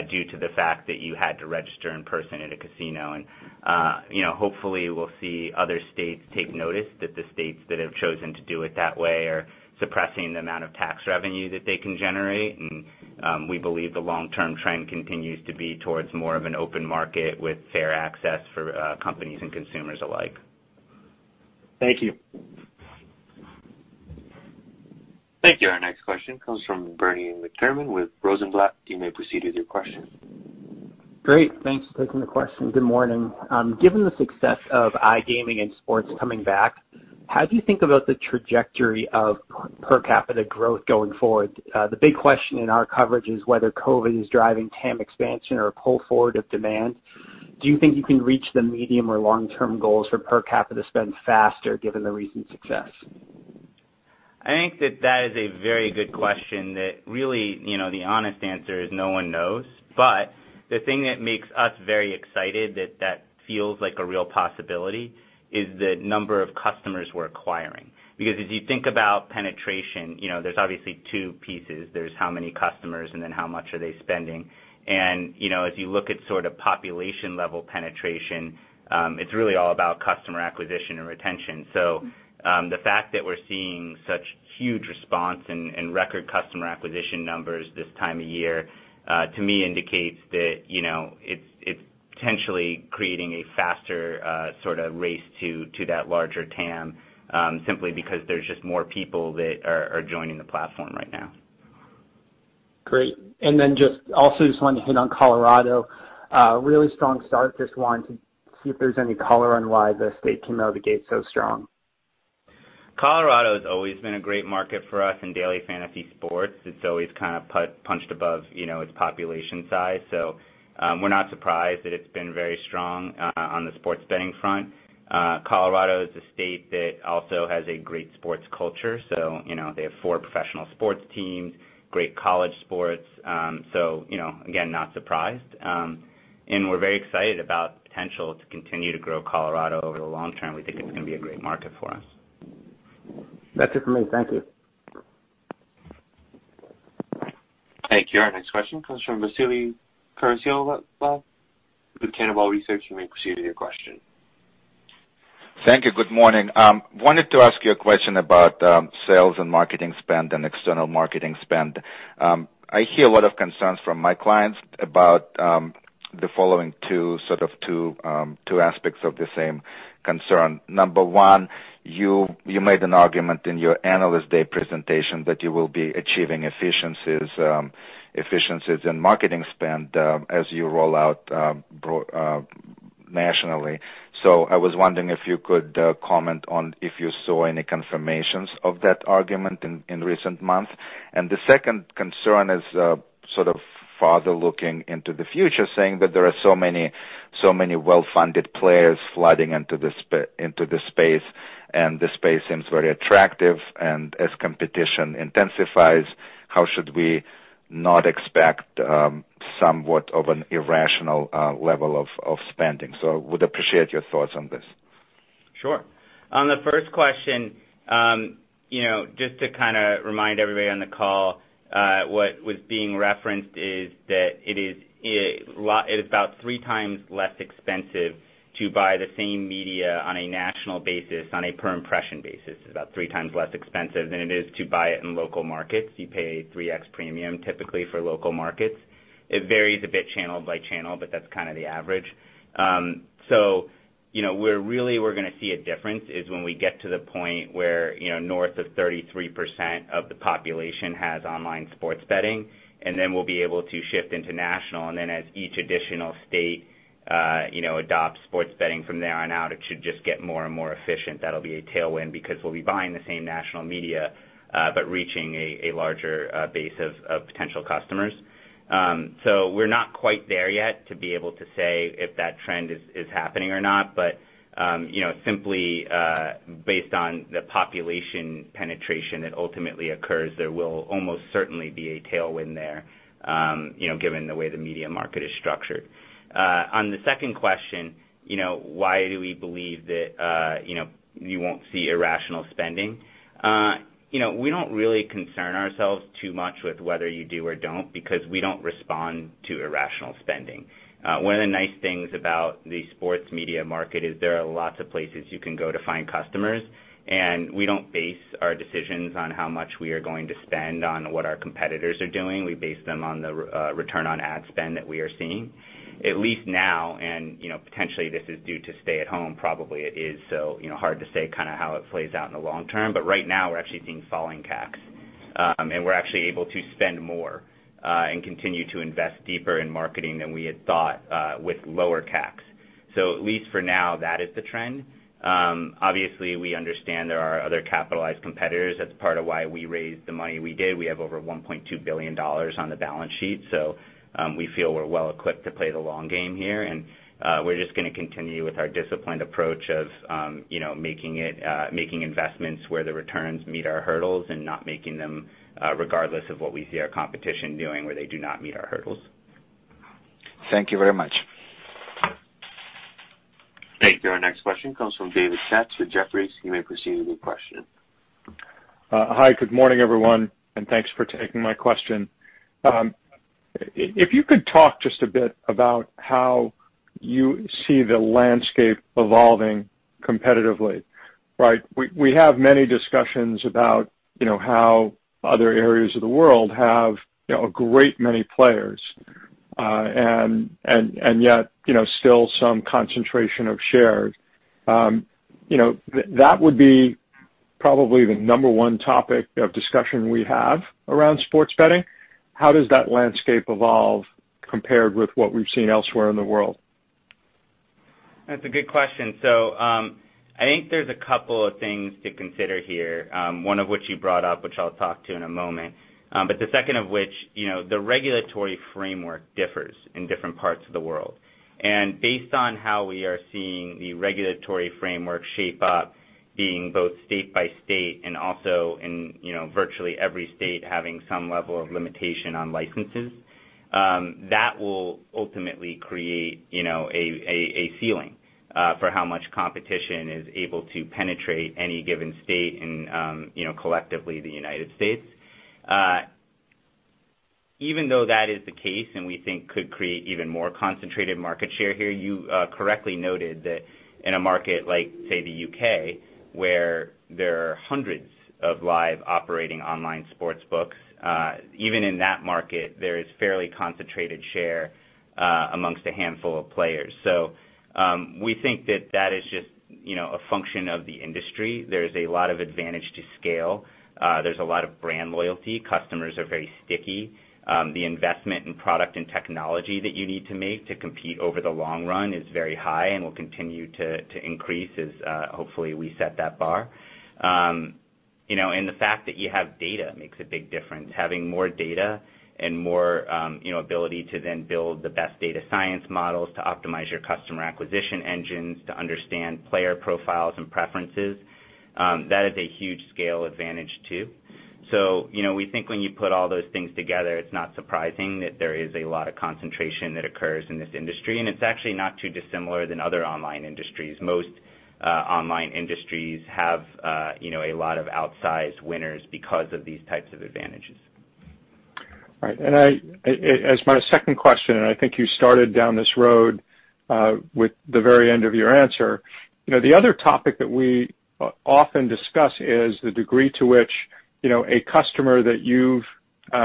S3: due to the fact that you had to register in person at a casino. You know, hopefully, we'll see other states take notice that the states that have chosen to do it that way are suppressing the amount of tax revenue that they can generate. We believe the long-term trend continues to be towards more of an open market with fair access for companies and consumers alike.
S8: Thank you.
S1: Thank you. Our next question comes from Bernie McTernan with Rosenblatt. You may proceed with your question.
S9: Great. Thanks for taking the question. Good morning. Given the success of iGaming and sports coming back, how do you think about the trajectory of per capita growth going forward? The big question in our coverage is whether COVID is driving TAM expansion or a pull forward of demand. Do you think you can reach the medium or long-term goals for per capita spend faster given the recent success?
S3: I think that is a very good question that really, you know, the honest answer is no one knows. The thing that makes us very excited that feels like a real possibility is the number of customers we're acquiring. As you think about penetration, you know, there's obviously two pieces. There's how many customers, and then how much are they spending. As you look at sort of population-level penetration, it's really all about customer acquisition and retention. The fact that we're seeing such huge response and record customer acquisition numbers this time of year, to me indicates that, you know, it's potentially creating a faster sort of race to that larger TAM, simply because there's just more people that are joining the platform right now.
S9: Great. Also just wanted to hit on Colorado. Really strong start. Just wanted to see if there's any color on why the state came out of the gate so strong.
S3: Colorado has always been a great market for us in daily fantasy sports. It's always kind of punched above, you know, its population size. We're not surprised that it's been very strong on the sports betting front. Colorado is a state that also has a great sports culture. You know, they have four professional sports teams, great college sports. You know, again, not surprised. We're very excited about the potential to continue to grow Colorado over the long term. We think it's gonna be a great market for us.
S9: That's it for me. Thank you.
S1: Thank you. Our next question comes from Vasily Karasyov with Cannonball Research. You may proceed with your question.
S10: Thank you. Good morning. Wanted to ask you a question about sales and marketing spend and external marketing spend. I hear a lot of concerns from my clients about the following two aspects of the same concern. Number one, you made an argument in your analyst day presentation that you will be achieving efficiencies in marketing spend as you roll out nationally. I was wondering if you could comment on if you saw any confirmations of that argument in recent months. The second concern is sort of farther looking into the future, saying that there are so many well-funded players flooding into the space, and the space seems very attractive. As competition intensifies, how should we not expect somewhat of an irrational level of spending? Would appreciate your thoughts on this.
S3: Sure. On the first question, you know, just to kinda remind everybody on the call, what was being referenced is that it's about three times less expensive to buy the same media on a national basis, on a per impression basis. You pay 3x premium typically for local markets. It varies a bit channel by channel, but that's kind of the average. You know, where really we're gonna see a difference is when we get to the point where, you know, north of 33% of the population has online sports betting, and then we'll be able to shift into national. As each additional state, you know, adopts sports betting from there on out, it should just get more and more efficient. That'll be a tailwind because we'll be buying the same national media, but reaching a larger base of potential customers. We're not quite there yet to be able to say if that trend is happening or not. You know, simply, based on the population penetration that ultimately occurs, there will almost certainly be a tailwind there, you know, given the way the media market is structured. On the second question, you know, why do we believe that, you know, you won't see irrational spending? You know, we don't really concern ourselves too much with whether you do or don't because we don't respond to irrational spending. One of the nice things about the sports media market is there are lots of places you can go to find customers, and we don't base our decisions on how much we are going to spend on what our competitors are doing. We base them on the return on ad spend that we are seeing. At least now, and, you know, potentially this is due to stay at home, probably it is, so, you know, hard to say kinda how it plays out in the long term. Right now, we're actually seeing falling CAC. And we're actually able to spend more and continue to invest deeper in marketing than we had thought with lower CAC. At least for now, that is the trend. Obviously, we understand there are other capitalized competitors. That's part of why we raised the money we did. We have over $1.2 billion on the balance sheet. We feel we're well equipped to play the long game here. We're just gonna continue with our disciplined approach of, you know, making investments where the returns meet our hurdles and not making them regardless of what we see our competition doing, where they do not meet our hurdles.
S10: Thank you very much.
S1: Thank you. Our next question comes from David Katz with Jefferies. You may proceed with your question.
S11: Hi. Good morning, everyone, and thanks for taking my question. If you could talk just a bit about how you see the landscape evolving competitively, right? We have many discussions about, you know, how other areas of the world have, you know, a great many players, and yet, you know, still some concentration of shares. You know, that would be probably the number one topic of discussion we have around sports betting. How does that landscape evolve compared with what we've seen elsewhere in the world?
S3: That's a good question. I think there's a couple of things to consider here, one of which you brought up, which I'll talk to in a moment. The second of which, you know, the regulatory framework differs in different parts of the world. Based on how we are seeing the regulatory framework shape up, being both state by state and also in, you know, virtually every state having some level of limitation on licenses, that will ultimately create, you know, a ceiling for how much competition is able to penetrate any given state and, you know, collectively the United States. Even though that is the case, and we think could create even more concentrated market share here, you correctly noted that in a market like, say, the U.K., where there are hundreds of live operating online sportsbooks, even in that market, there is fairly concentrated share amongst a handful of players. We think that that is just, you know, a function of the industry. There's a lot of advantage to scale. There's a lot of brand loyalty. Customers are very sticky. The investment in product and technology that you need to make to compete over the long run is very high and will continue to increase as, hopefully we set that bar. You know, the fact that you have data makes a big difference. Having more data and more, you know, ability to then build the best data science models to optimize your customer acquisition engines, to understand player profiles and preferences, that is a huge scale advantage too. You know, we think when you put all those things together, it's not surprising that there is a lot of concentration that occurs in this industry, and it's actually not too dissimilar than other online industries. Most online industries have, you know, a lot of outsized winners because of these types of advantages.
S11: Right. As my second question, I think you started down this road with the very end of your answer. You know, the other topic that we often discuss is the degree to which, you know, a customer that you've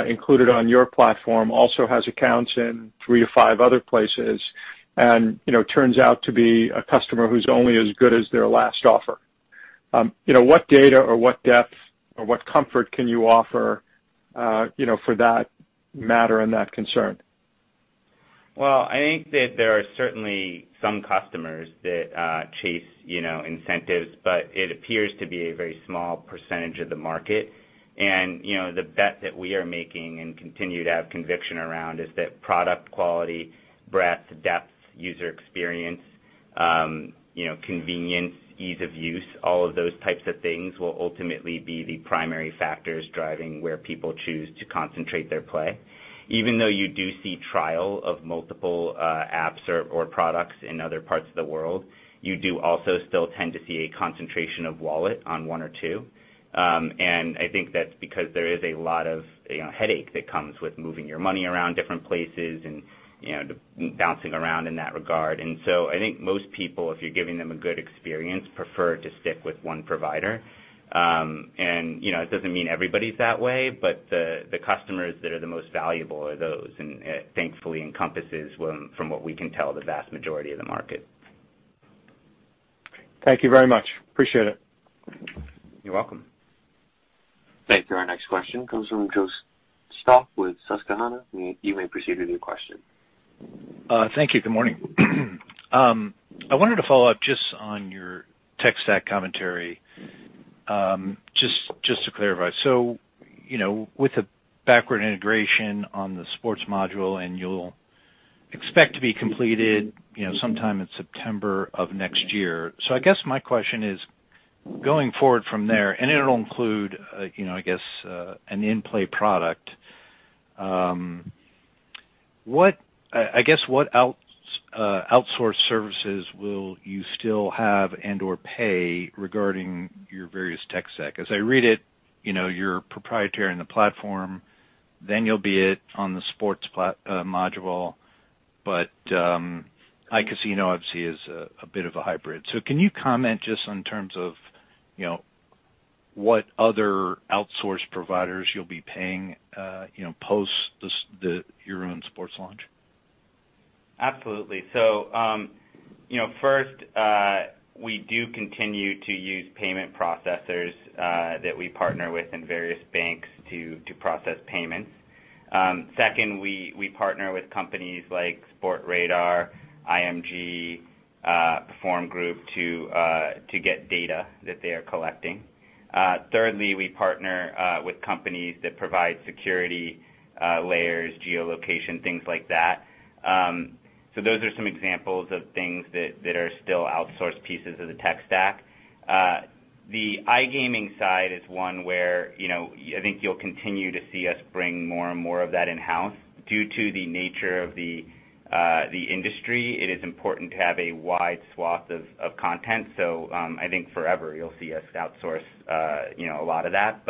S11: included on your platform also has accounts in three to five other places and, you know, turns out to be a customer who's only as good as their last offer. You know, what data or what depth or what comfort can you offer, you know, for that matter and that concern?
S3: Well, I think that there are certainly some customers that chase, you know, incentives, but it appears to be a very small percentage of the market. You know, the bet that we are making and continue to have conviction around is that product quality, breadth, depth, user experience, convenience, ease of use, all of those types of things will ultimately be the primary factors driving where people choose to concentrate their play. Even though you do see trial of multiple apps or products in other parts of the world, you do also still tend to see a concentration of wallet on one or two. I think that's because there is a lot of, you know, headache that comes with moving your money around different places and, you know, bouncing around in that regard. I think most people, if you're giving them a good experience, prefer to stick with one provider. You know, it doesn't mean everybody's that way, but the customers that are the most valuable are those, and it thankfully encompasses, well, from what we can tell, the vast majority of the market.
S11: Thank you very much. Appreciate it.
S3: You're welcome.
S1: Thank you. Our next question comes from Joe Stauff with Susquehanna. You may proceed with your question.
S12: Thank you. Good morning. I wanted to follow up just on your tech stack commentary, just to clarify. You know, with the backward integration on the sports module, and you'll expect to be completed, you know, sometime in September of next year. I guess my question is, going forward from there, and it'll include, you know, I guess, an in-play product, what I guess what outsourced services will you still have and/or pay regarding your various tech stack? As I read it, you know, you're proprietary in the platform, then you'll be it on the sports module, but, iCasino obviously is a bit of a hybrid. Can you comment just in terms of, you know, what other outsourced providers you'll be paying, you know, post your own sports launch?
S3: Absolutely. You know, first, we do continue to use payment processors that we partner with and various banks to process payments. Second, we partner with companies like Sportradar, IMG, Perform Group to get data that they are collecting. Thirdly, we partner with companies that provide security layers, geolocation, things like that. Those are some examples of things that are still outsourced pieces of the tech stack. The iGaming side is one where, you know, I think you'll continue to see us bring more and more of that in-house. Due to the nature of the industry, it is important to have a wide swath of content. I think forever you'll see us outsource, you know, a lot of that.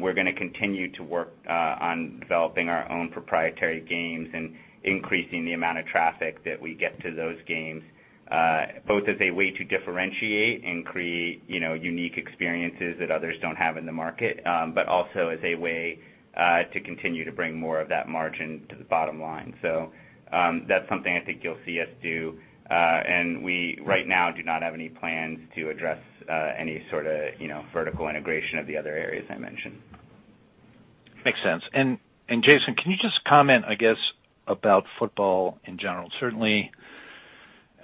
S3: We're going to continue to work on developing our own proprietary games and increasing the amount of traffic that we get to those games, both as a way to differentiate and create, you know, unique experiences that others don't have in the market, but also as a way to continue to bring more of that margin to the bottom line. That's something I think you'll see us do. We right now do not have any plans to address any sort of, you know, vertical integration of the other areas I mentioned.
S12: Makes sense. Jason, can you just comment, I guess, about football in general? Certainly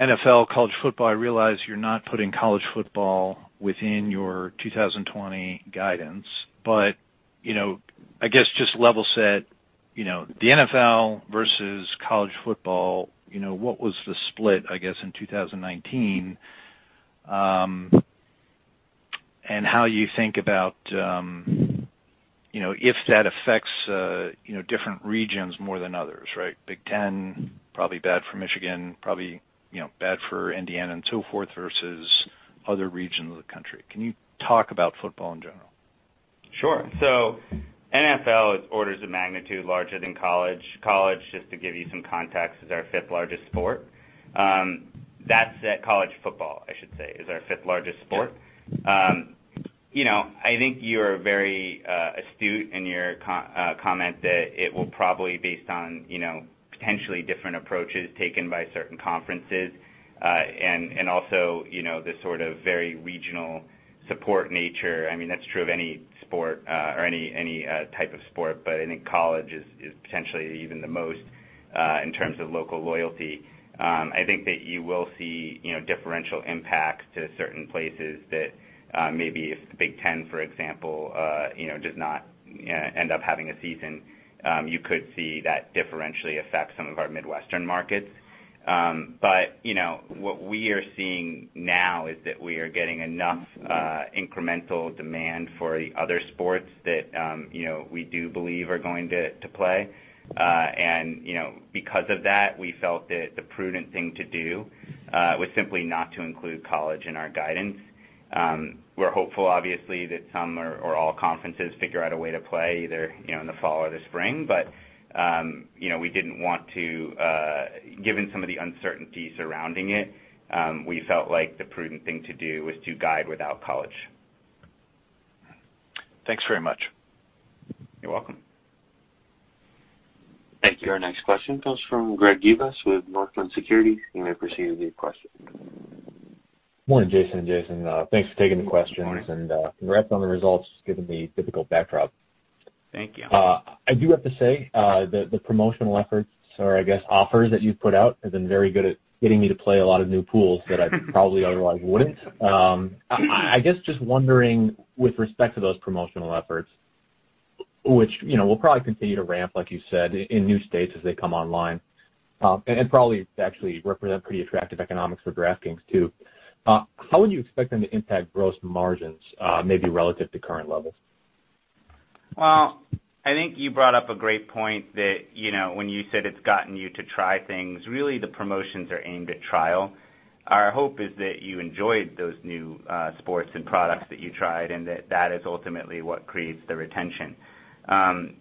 S12: NFL, college football, I realize you're not putting college football within your 2020 guidance. I guess just level set, you know, the NFL versus college football, you know, what was the split, I guess, in 2019, and how you think about, you know, if that affects, you know, different regions more than others, right? Big Ten, probably bad for Michigan, probably, you know, bad for Indiana and so forth, versus other regions of the country. Can you talk about football in general?
S3: Sure. NFL is orders of magnitude larger than college. College, just to give you some context, is our fifth-largest sport. College football, I should say, is our fifth-largest sport. You know, I think you're very astute in your comment that it will probably based on, you know, potentially different approaches taken by certain conferences, and also, you know, the sort of very regional support nature. I mean, that's true of any sport, or any type of sport, but I think college is potentially even the most in terms of local loyalty. I think that you will see, you know, differential impact to certain places that, maybe if the Big Ten, for example, you know, does not, end up having a season, you could see that differentially affect some of our Midwestern markets. You know, what we are seeing now is that we are getting enough incremental demand for other sports that, you know, we do believe are going to play. You know, because of that, we felt that the prudent thing to do was simply not to include college in our guidance. We're hopeful obviously that some or all conferences figure out a way to play either, you know, in the fall or the spring. You know, we didn't want to Given some of the uncertainty surrounding it, we felt like the prudent thing to do was to guide without college.
S12: Thanks very much.
S3: You're welcome.
S1: Thank you. Our next question comes from Greg Gibas with Northland Securities. You may proceed with your question.
S13: Morning, Jason and Jason. Thanks for taking the questions. Congrats on the results given the difficult backdrop.
S4: Thank you.
S13: I do have to say, the promotional efforts or I guess offers that you've put out have been very good at getting me to play a lot of new pools that I probably otherwise wouldn't. I guess just wondering with respect to those promotional efforts, which, you know, will probably continue to ramp, like you said, in new states as they come online, and probably actually represent pretty attractive economics for DraftKings too. How would you expect them to impact gross margins, maybe relative to current levels?
S3: Well, I think you brought up a great point that, you know, when you said it's gotten you to try things, really the promotions are aimed at trial. Our hope is that you enjoyed those new sports and products that you tried, and that that is ultimately what creates the retention.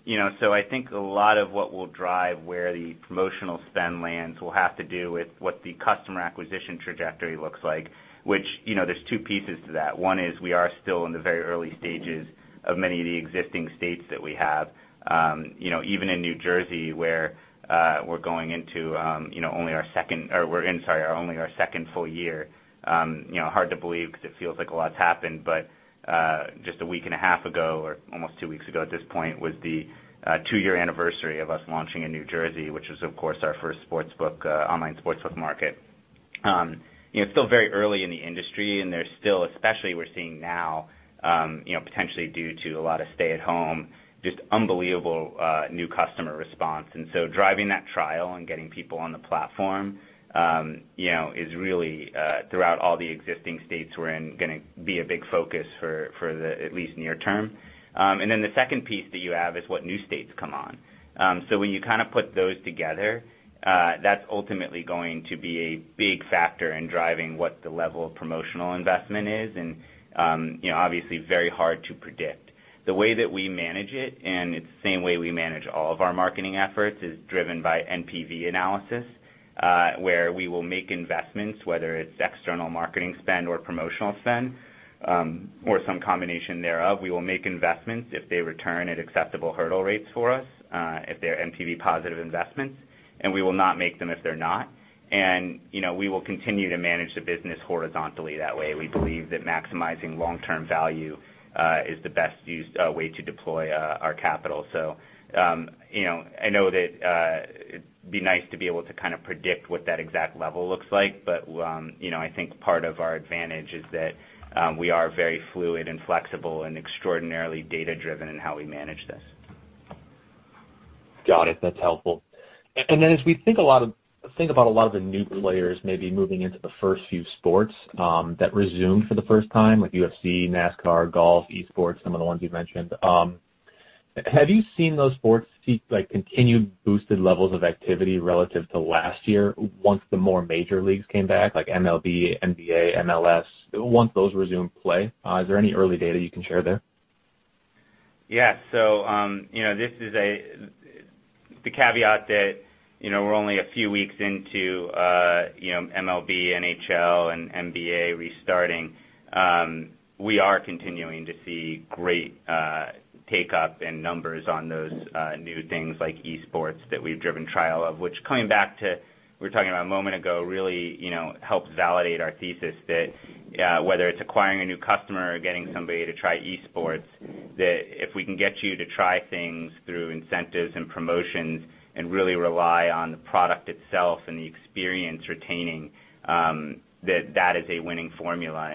S3: You know, I think a lot of what will drive where the promotional spend lands will have to do with what the customer acquisition trajectory looks like, which, you know, there's two pieces to that. One is we are still in the very early stages of many of the existing states that we have. You know, even in New Jersey, where we're going into, you know, only our second full year. You know, hard to believe because it feels like a lot's happened, but just a week and a half ago, or almost two weeks ago at this point, was the two-year anniversary of us launching in New Jersey, which was of course our first Sportsbook, online sportsbook market. You know, it's still very early in the industry, and there's still, especially we're seeing now, you know, potentially due to a lot of stay-at-home, just unbelievable, new customer response. Driving that trial and getting people on the platform, you know, is really, throughout all the existing states we're in, gonna be a big focus for the at least near term. The second piece that you have is what new states come on. So when you kind of put those together, that's ultimately going to be a big factor in driving what the level of promotional investment is and, you know, obviously very hard to predict. The way that we manage it, and it's the same way we manage all of our marketing efforts, is driven by NPV analysis, where we will make investments, whether it's external marketing spend or promotional spend, or some combination thereof. We will make investments if they return at acceptable hurdle rates for us, if they're NPV positive investments, and we will not make them if they're not. You know, we will continue to manage the business horizontally that way. We believe that maximizing long-term value is the best use way to deploy our capital. You know, I know that it'd be nice to be able to kind of predict what that exact level looks like, but, you know, I think part of our advantage is that we are very fluid and flexible and extraordinarily data-driven in how we manage this.
S13: Got it. That's helpful. As we think about a lot of the new players maybe moving into the first few sports that resumed for the first time, like UFC, NASCAR, golf, esports, some of the ones you've mentioned, have you seen those sports see, like, continued boosted levels of activity relative to last year once the more major leagues came back, like MLB, NBA, MLS, once those resumed play? Is there any early data you can share there?
S3: Yeah. You know, this is a, the caveat that, you know, we're only a few weeks into, you know, MLB, NHL, and NBA restarting. We are continuing to see great take-up in numbers on those new things like esports that we've driven trial of, which coming back to, we were talking about a moment ago, really, you know, helps validate our thesis that whether it's acquiring a new customer or getting somebody to try esports, that if we can get you to try things through incentives and promotions and really rely on the product itself and the experience retaining, that that is a winning formula.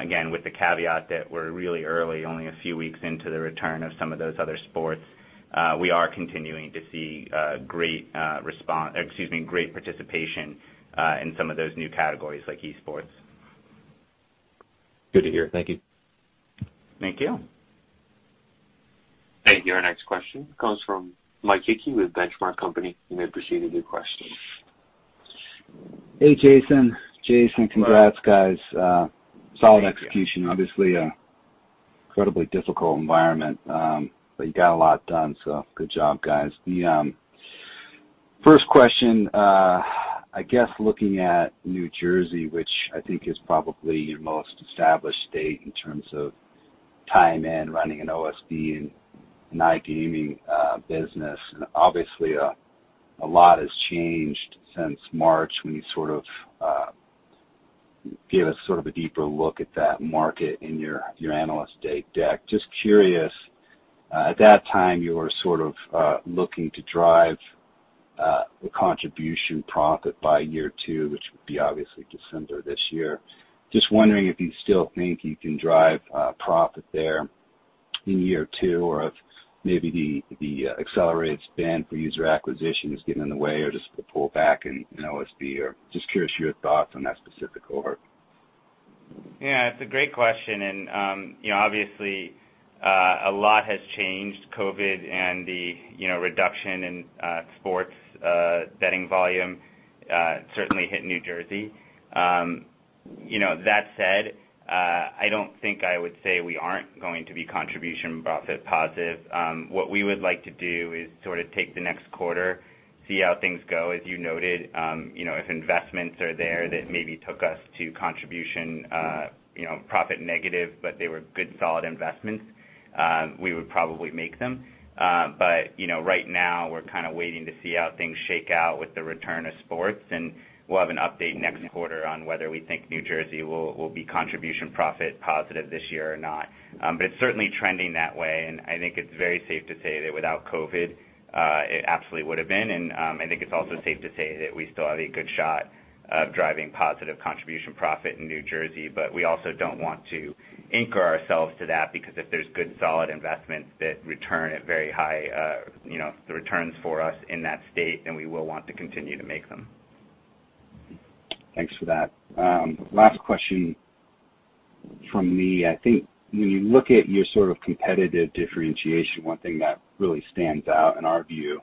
S3: Again, with the caveat that we're really early, only a few weeks into the return of some of those other sports, we are continuing to see great participation in some of those new categories like esports.
S13: Good to hear. Thank you.
S3: Thank you.
S1: Thank you. Our next question comes from Mike Hickey with Benchmark Company. You may proceed with your question.
S14: Hey, Jason.
S3: Hello.
S14: Congrats, guys. Solid execution. Obviously, incredibly difficult environment, you got a lot done, so good job, guys. The first question, I guess looking at New Jersey, which I think is probably your most established state in terms of time in running an OSB and an iGaming business, and obviously a lot has changed since March when you sort of gave us sort of a deeper look at that market in your analyst day deck. Just curious, at that time, you were sort of looking to drive the contribution profit by year two, which would be obviously December this year. Just wondering if you still think you can drive profit there in year two or if maybe the accelerated spend for user acquisition is getting in the way or just the pull back in OSB or just curious your thoughts on that specific cohort?
S3: Yeah, it's a great question. You know, obviously, a lot has changed. COVID and the, you know, reduction in sports betting volume, certainly hit New Jersey. You know, that said, I don't think I would say we aren't going to be contribution profit positive. What we would like to do is sort of take the next quarter, see how things go, as you noted. You know, if investments are there that maybe took us to contribution, you know, profit negative, but they were good, solid investments, we would probably make them. You know, right now, we're kind of waiting to see how things shake out with the return of sports, and we'll have an update next quarter on whether we think New Jersey will be contribution profit positive this year or not. It's certainly trending that way, and I think it's very safe to say that without COVID, it absolutely would have been. I think it's also safe to say that we still have a good shot of driving positive contribution profit in New Jersey. We also don't want to anchor ourselves to that because if there's good solid investments that return at very high, you know, the returns for us in that state, then we will want to continue to make them.
S14: Thanks for that. Last question from me. I think when you look at your sort of competitive differentiation, one thing that really stands out in our view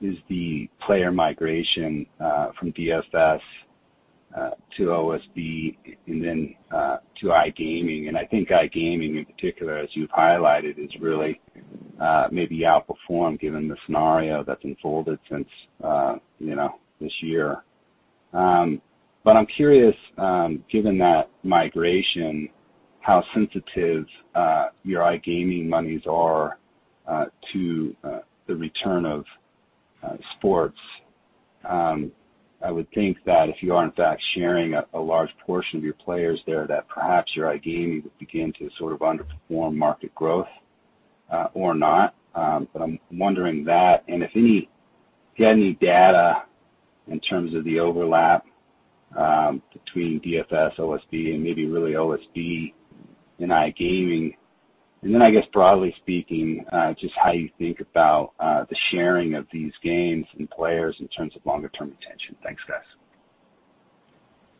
S14: is the player migration from DFS to OSB and then to iGaming. I think iGaming, in particular, as you've highlighted, is really maybe outperformed given the scenario that's unfolded since, you know, this year. I'm curious, given that migration, how sensitive your iGaming monies are to the return of sports. I would think that if you are in fact sharing a large portion of your players there, that perhaps your iGaming would begin to sort of underperform market growth, or not. I'm wondering that and if you had any data in terms of the overlap between DFS, OSB and maybe really OSB and iGaming. I guess, broadly speaking, just how you think about the sharing of these games and players in terms of longer-term retention. Thanks, guys.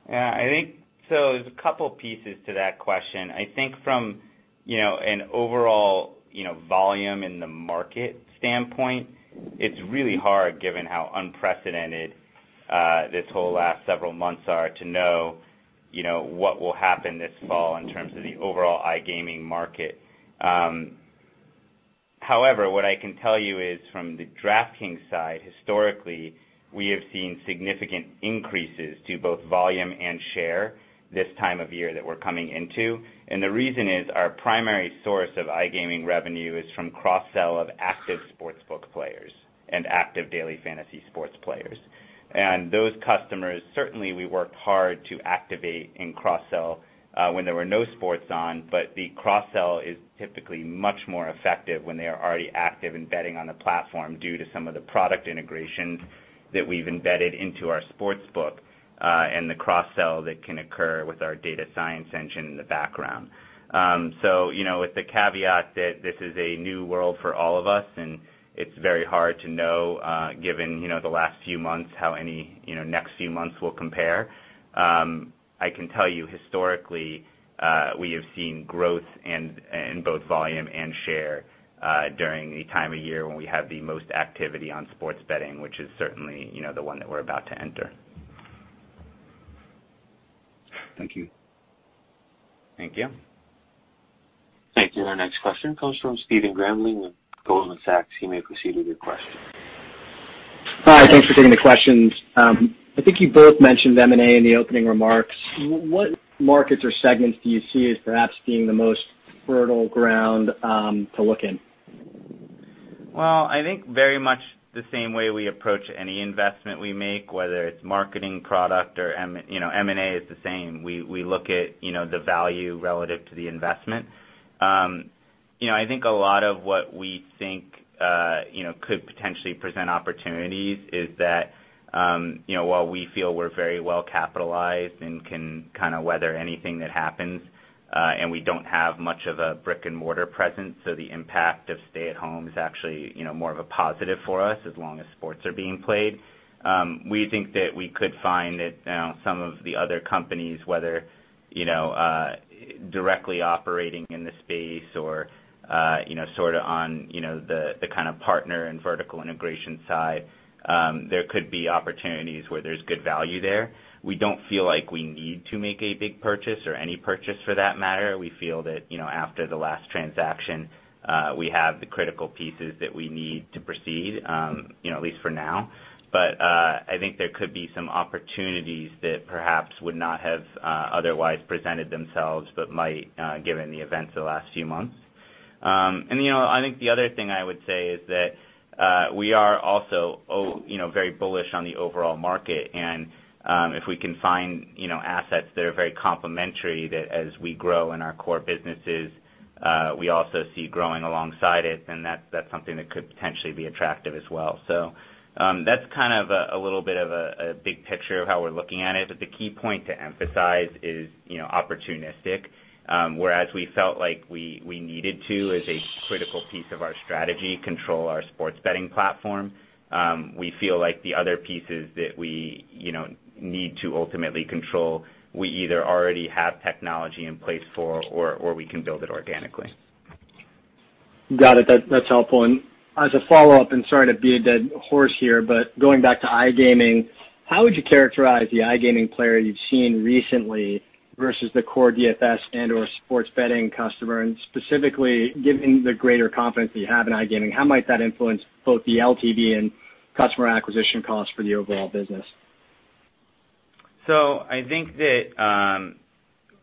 S3: I think from, you know, an overall, you know, volume in the market standpoint, it's really hard given how unprecedented this whole last several months are to know, you know, what will happen this fall in terms of the overall iGaming market. However, what I can tell you is from the DraftKings side, historically, we have seen significant increases to both volume and share this time of year that we're coming into. The reason is our primary source of iGaming revenue is from cross-sell of active Sportsbook players and active Daily Fantasy Sports players. Those customers, certainly we worked hard to activate and cross-sell, when there were no sports on, but the cross-sell is typically much more effective when they are already active in betting on the platform due to some of the product integration that we've embedded into our Sportsbook, and the cross-sell that can occur with our data science engine in the background. You know, with the caveat that this is a new world for all of us, and it's very hard to know, given, you know, the last few months how any, you know, next few months will compare. I can tell you historically, we have seen growth in both volume and share, during the time of year when we have the most activity on sports betting, which is certainly, you know, the one that we're about to enter.
S14: Thank you.
S3: Thank you.
S1: Thank you. Our next question comes from Stephen Grambling of Goldman Sachs. You may proceed with your question.
S15: Hi, thanks for taking the questions. I think you both mentioned M&A in the opening remarks. What markets or segments do you see as perhaps being the most fertile ground to look in?
S3: I think very much the same way we approach any investment we make, whether it's marketing, product or M&A is the same. We look at, you know, the value relative to the investment. You know, I think a lot of what we think, you know, could potentially present opportunities is that, you know, while we feel we're very well capitalized and can kind of weather anything that happens, and we don't have much of a brick-and-mortar presence, so the impact of stay-at-home is actually, you know, more of a positive for us as long as sports are being played. We think that we could find that, some of the other companies, whether, you know, directly operating in the space or, you know, sort of on, you know, the kind of partner and vertical integration side, there could be opportunities where there's good value there. We don't feel like we need to make a big purchase or any purchase for that matter. We feel that, you know, after the last transaction, we have the critical pieces that we need to proceed, you know, at least for now. I think there could be some opportunities that perhaps would not have, otherwise presented themselves but might, given the events of the last few months. You know, I think the other thing I would say is that we are also, you know, very bullish on the overall market. If we can find, you know, assets that are very complementary that as we grow in our core businesses, we also see growing alongside it, then that's something that could potentially be attractive as well. That's kind of a little bit of a big picture of how we're looking at it. The key point to emphasize is, you know, opportunistic. Whereas we felt like we needed to, as a critical piece of our strategy, control our sports betting platform. We feel like the other pieces that we, you know, need to ultimately control, we either already have technology in place for or we can build it organically.
S15: Got it. That's helpful. As a follow-up, sorry to beat a dead horse here, going back to iGaming, how would you characterize the iGaming player you've seen recently versus the core DFS and/or sports betting customer? Specifically, given the greater confidence that you have in iGaming, how might that influence both the LTV and customer acquisition costs for the overall business?
S3: I think that,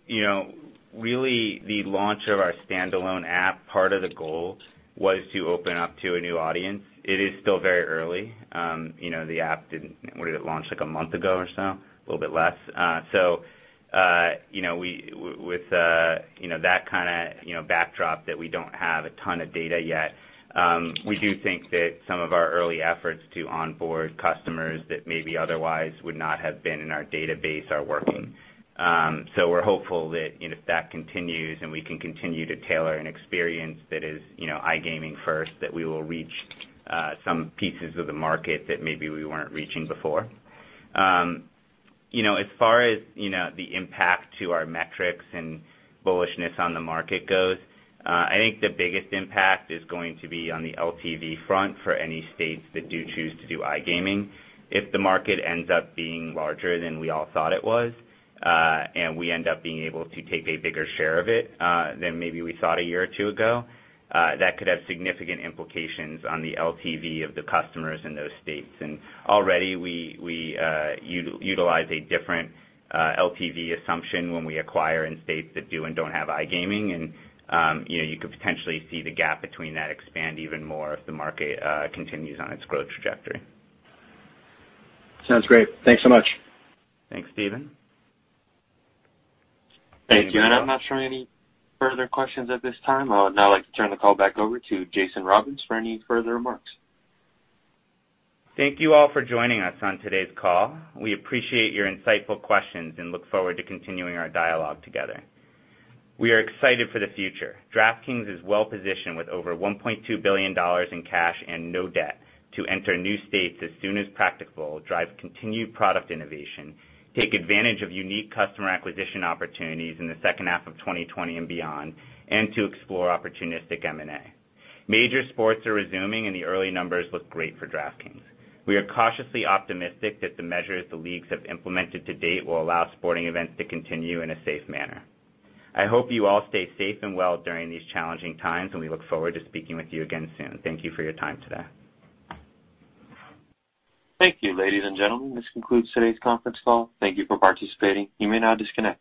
S3: you know, really the launch of our standalone app, part of the goal was to open up to a new audience. It is still very early. You know, the app What did it launch like a month ago or so? A little bit less. You know, with, you know, that kinda, you know, backdrop that we don't have a ton of data yet, we do think that some of our early efforts to onboard customers that maybe otherwise would not have been in our database are working. We're hopeful that, you know, if that continues and we can continue to tailor an experience that is, you know, iGaming first, that we will reach some pieces of the market that maybe we weren't reaching before. You know, as far as, you know, the impact to our metrics and bullishness on the market goes, I think the biggest impact is going to be on the LTV front for any states that do choose to do iGaming. If the market ends up being larger than we all thought it was, and we end up being able to take a bigger share of it, than maybe we thought a year or two ago, that could have significant implications on the LTV of the customers in those states. Already we utilize a different LTV assumption when we acquire in states that do and don't have iGaming. You know, you could potentially see the gap between that expand even more if the market continues on its growth trajectory.
S15: Sounds great. Thanks so much.
S3: Thanks, Stephen.
S1: Thank you. I'm not showing any further questions at this time. I would now like to turn the call back over to Jason Robins for any further remarks.
S3: Thank you all for joining us on today's call. We appreciate your insightful questions and look forward to continuing our dialogue together. We are excited for the future. DraftKings is well-positioned with over $1.2 billion in cash and no debt to enter new states as soon as practicable, drive continued product innovation, take advantage of unique customer acquisition opportunities in the second half of 2020 and beyond, and to explore opportunistic M&A. Major sports are resuming, and the early numbers look great for DraftKings. We are cautiously optimistic that the measures the leagues have implemented to date will allow sporting events to continue in a safe manner. I hope you all stay safe and well during these challenging times, and we look forward to speaking with you again soon. Thank you for your time today.
S1: Thank you, ladies and gentlemen. This concludes today's conference call. Thank you for participating. You may now disconnect.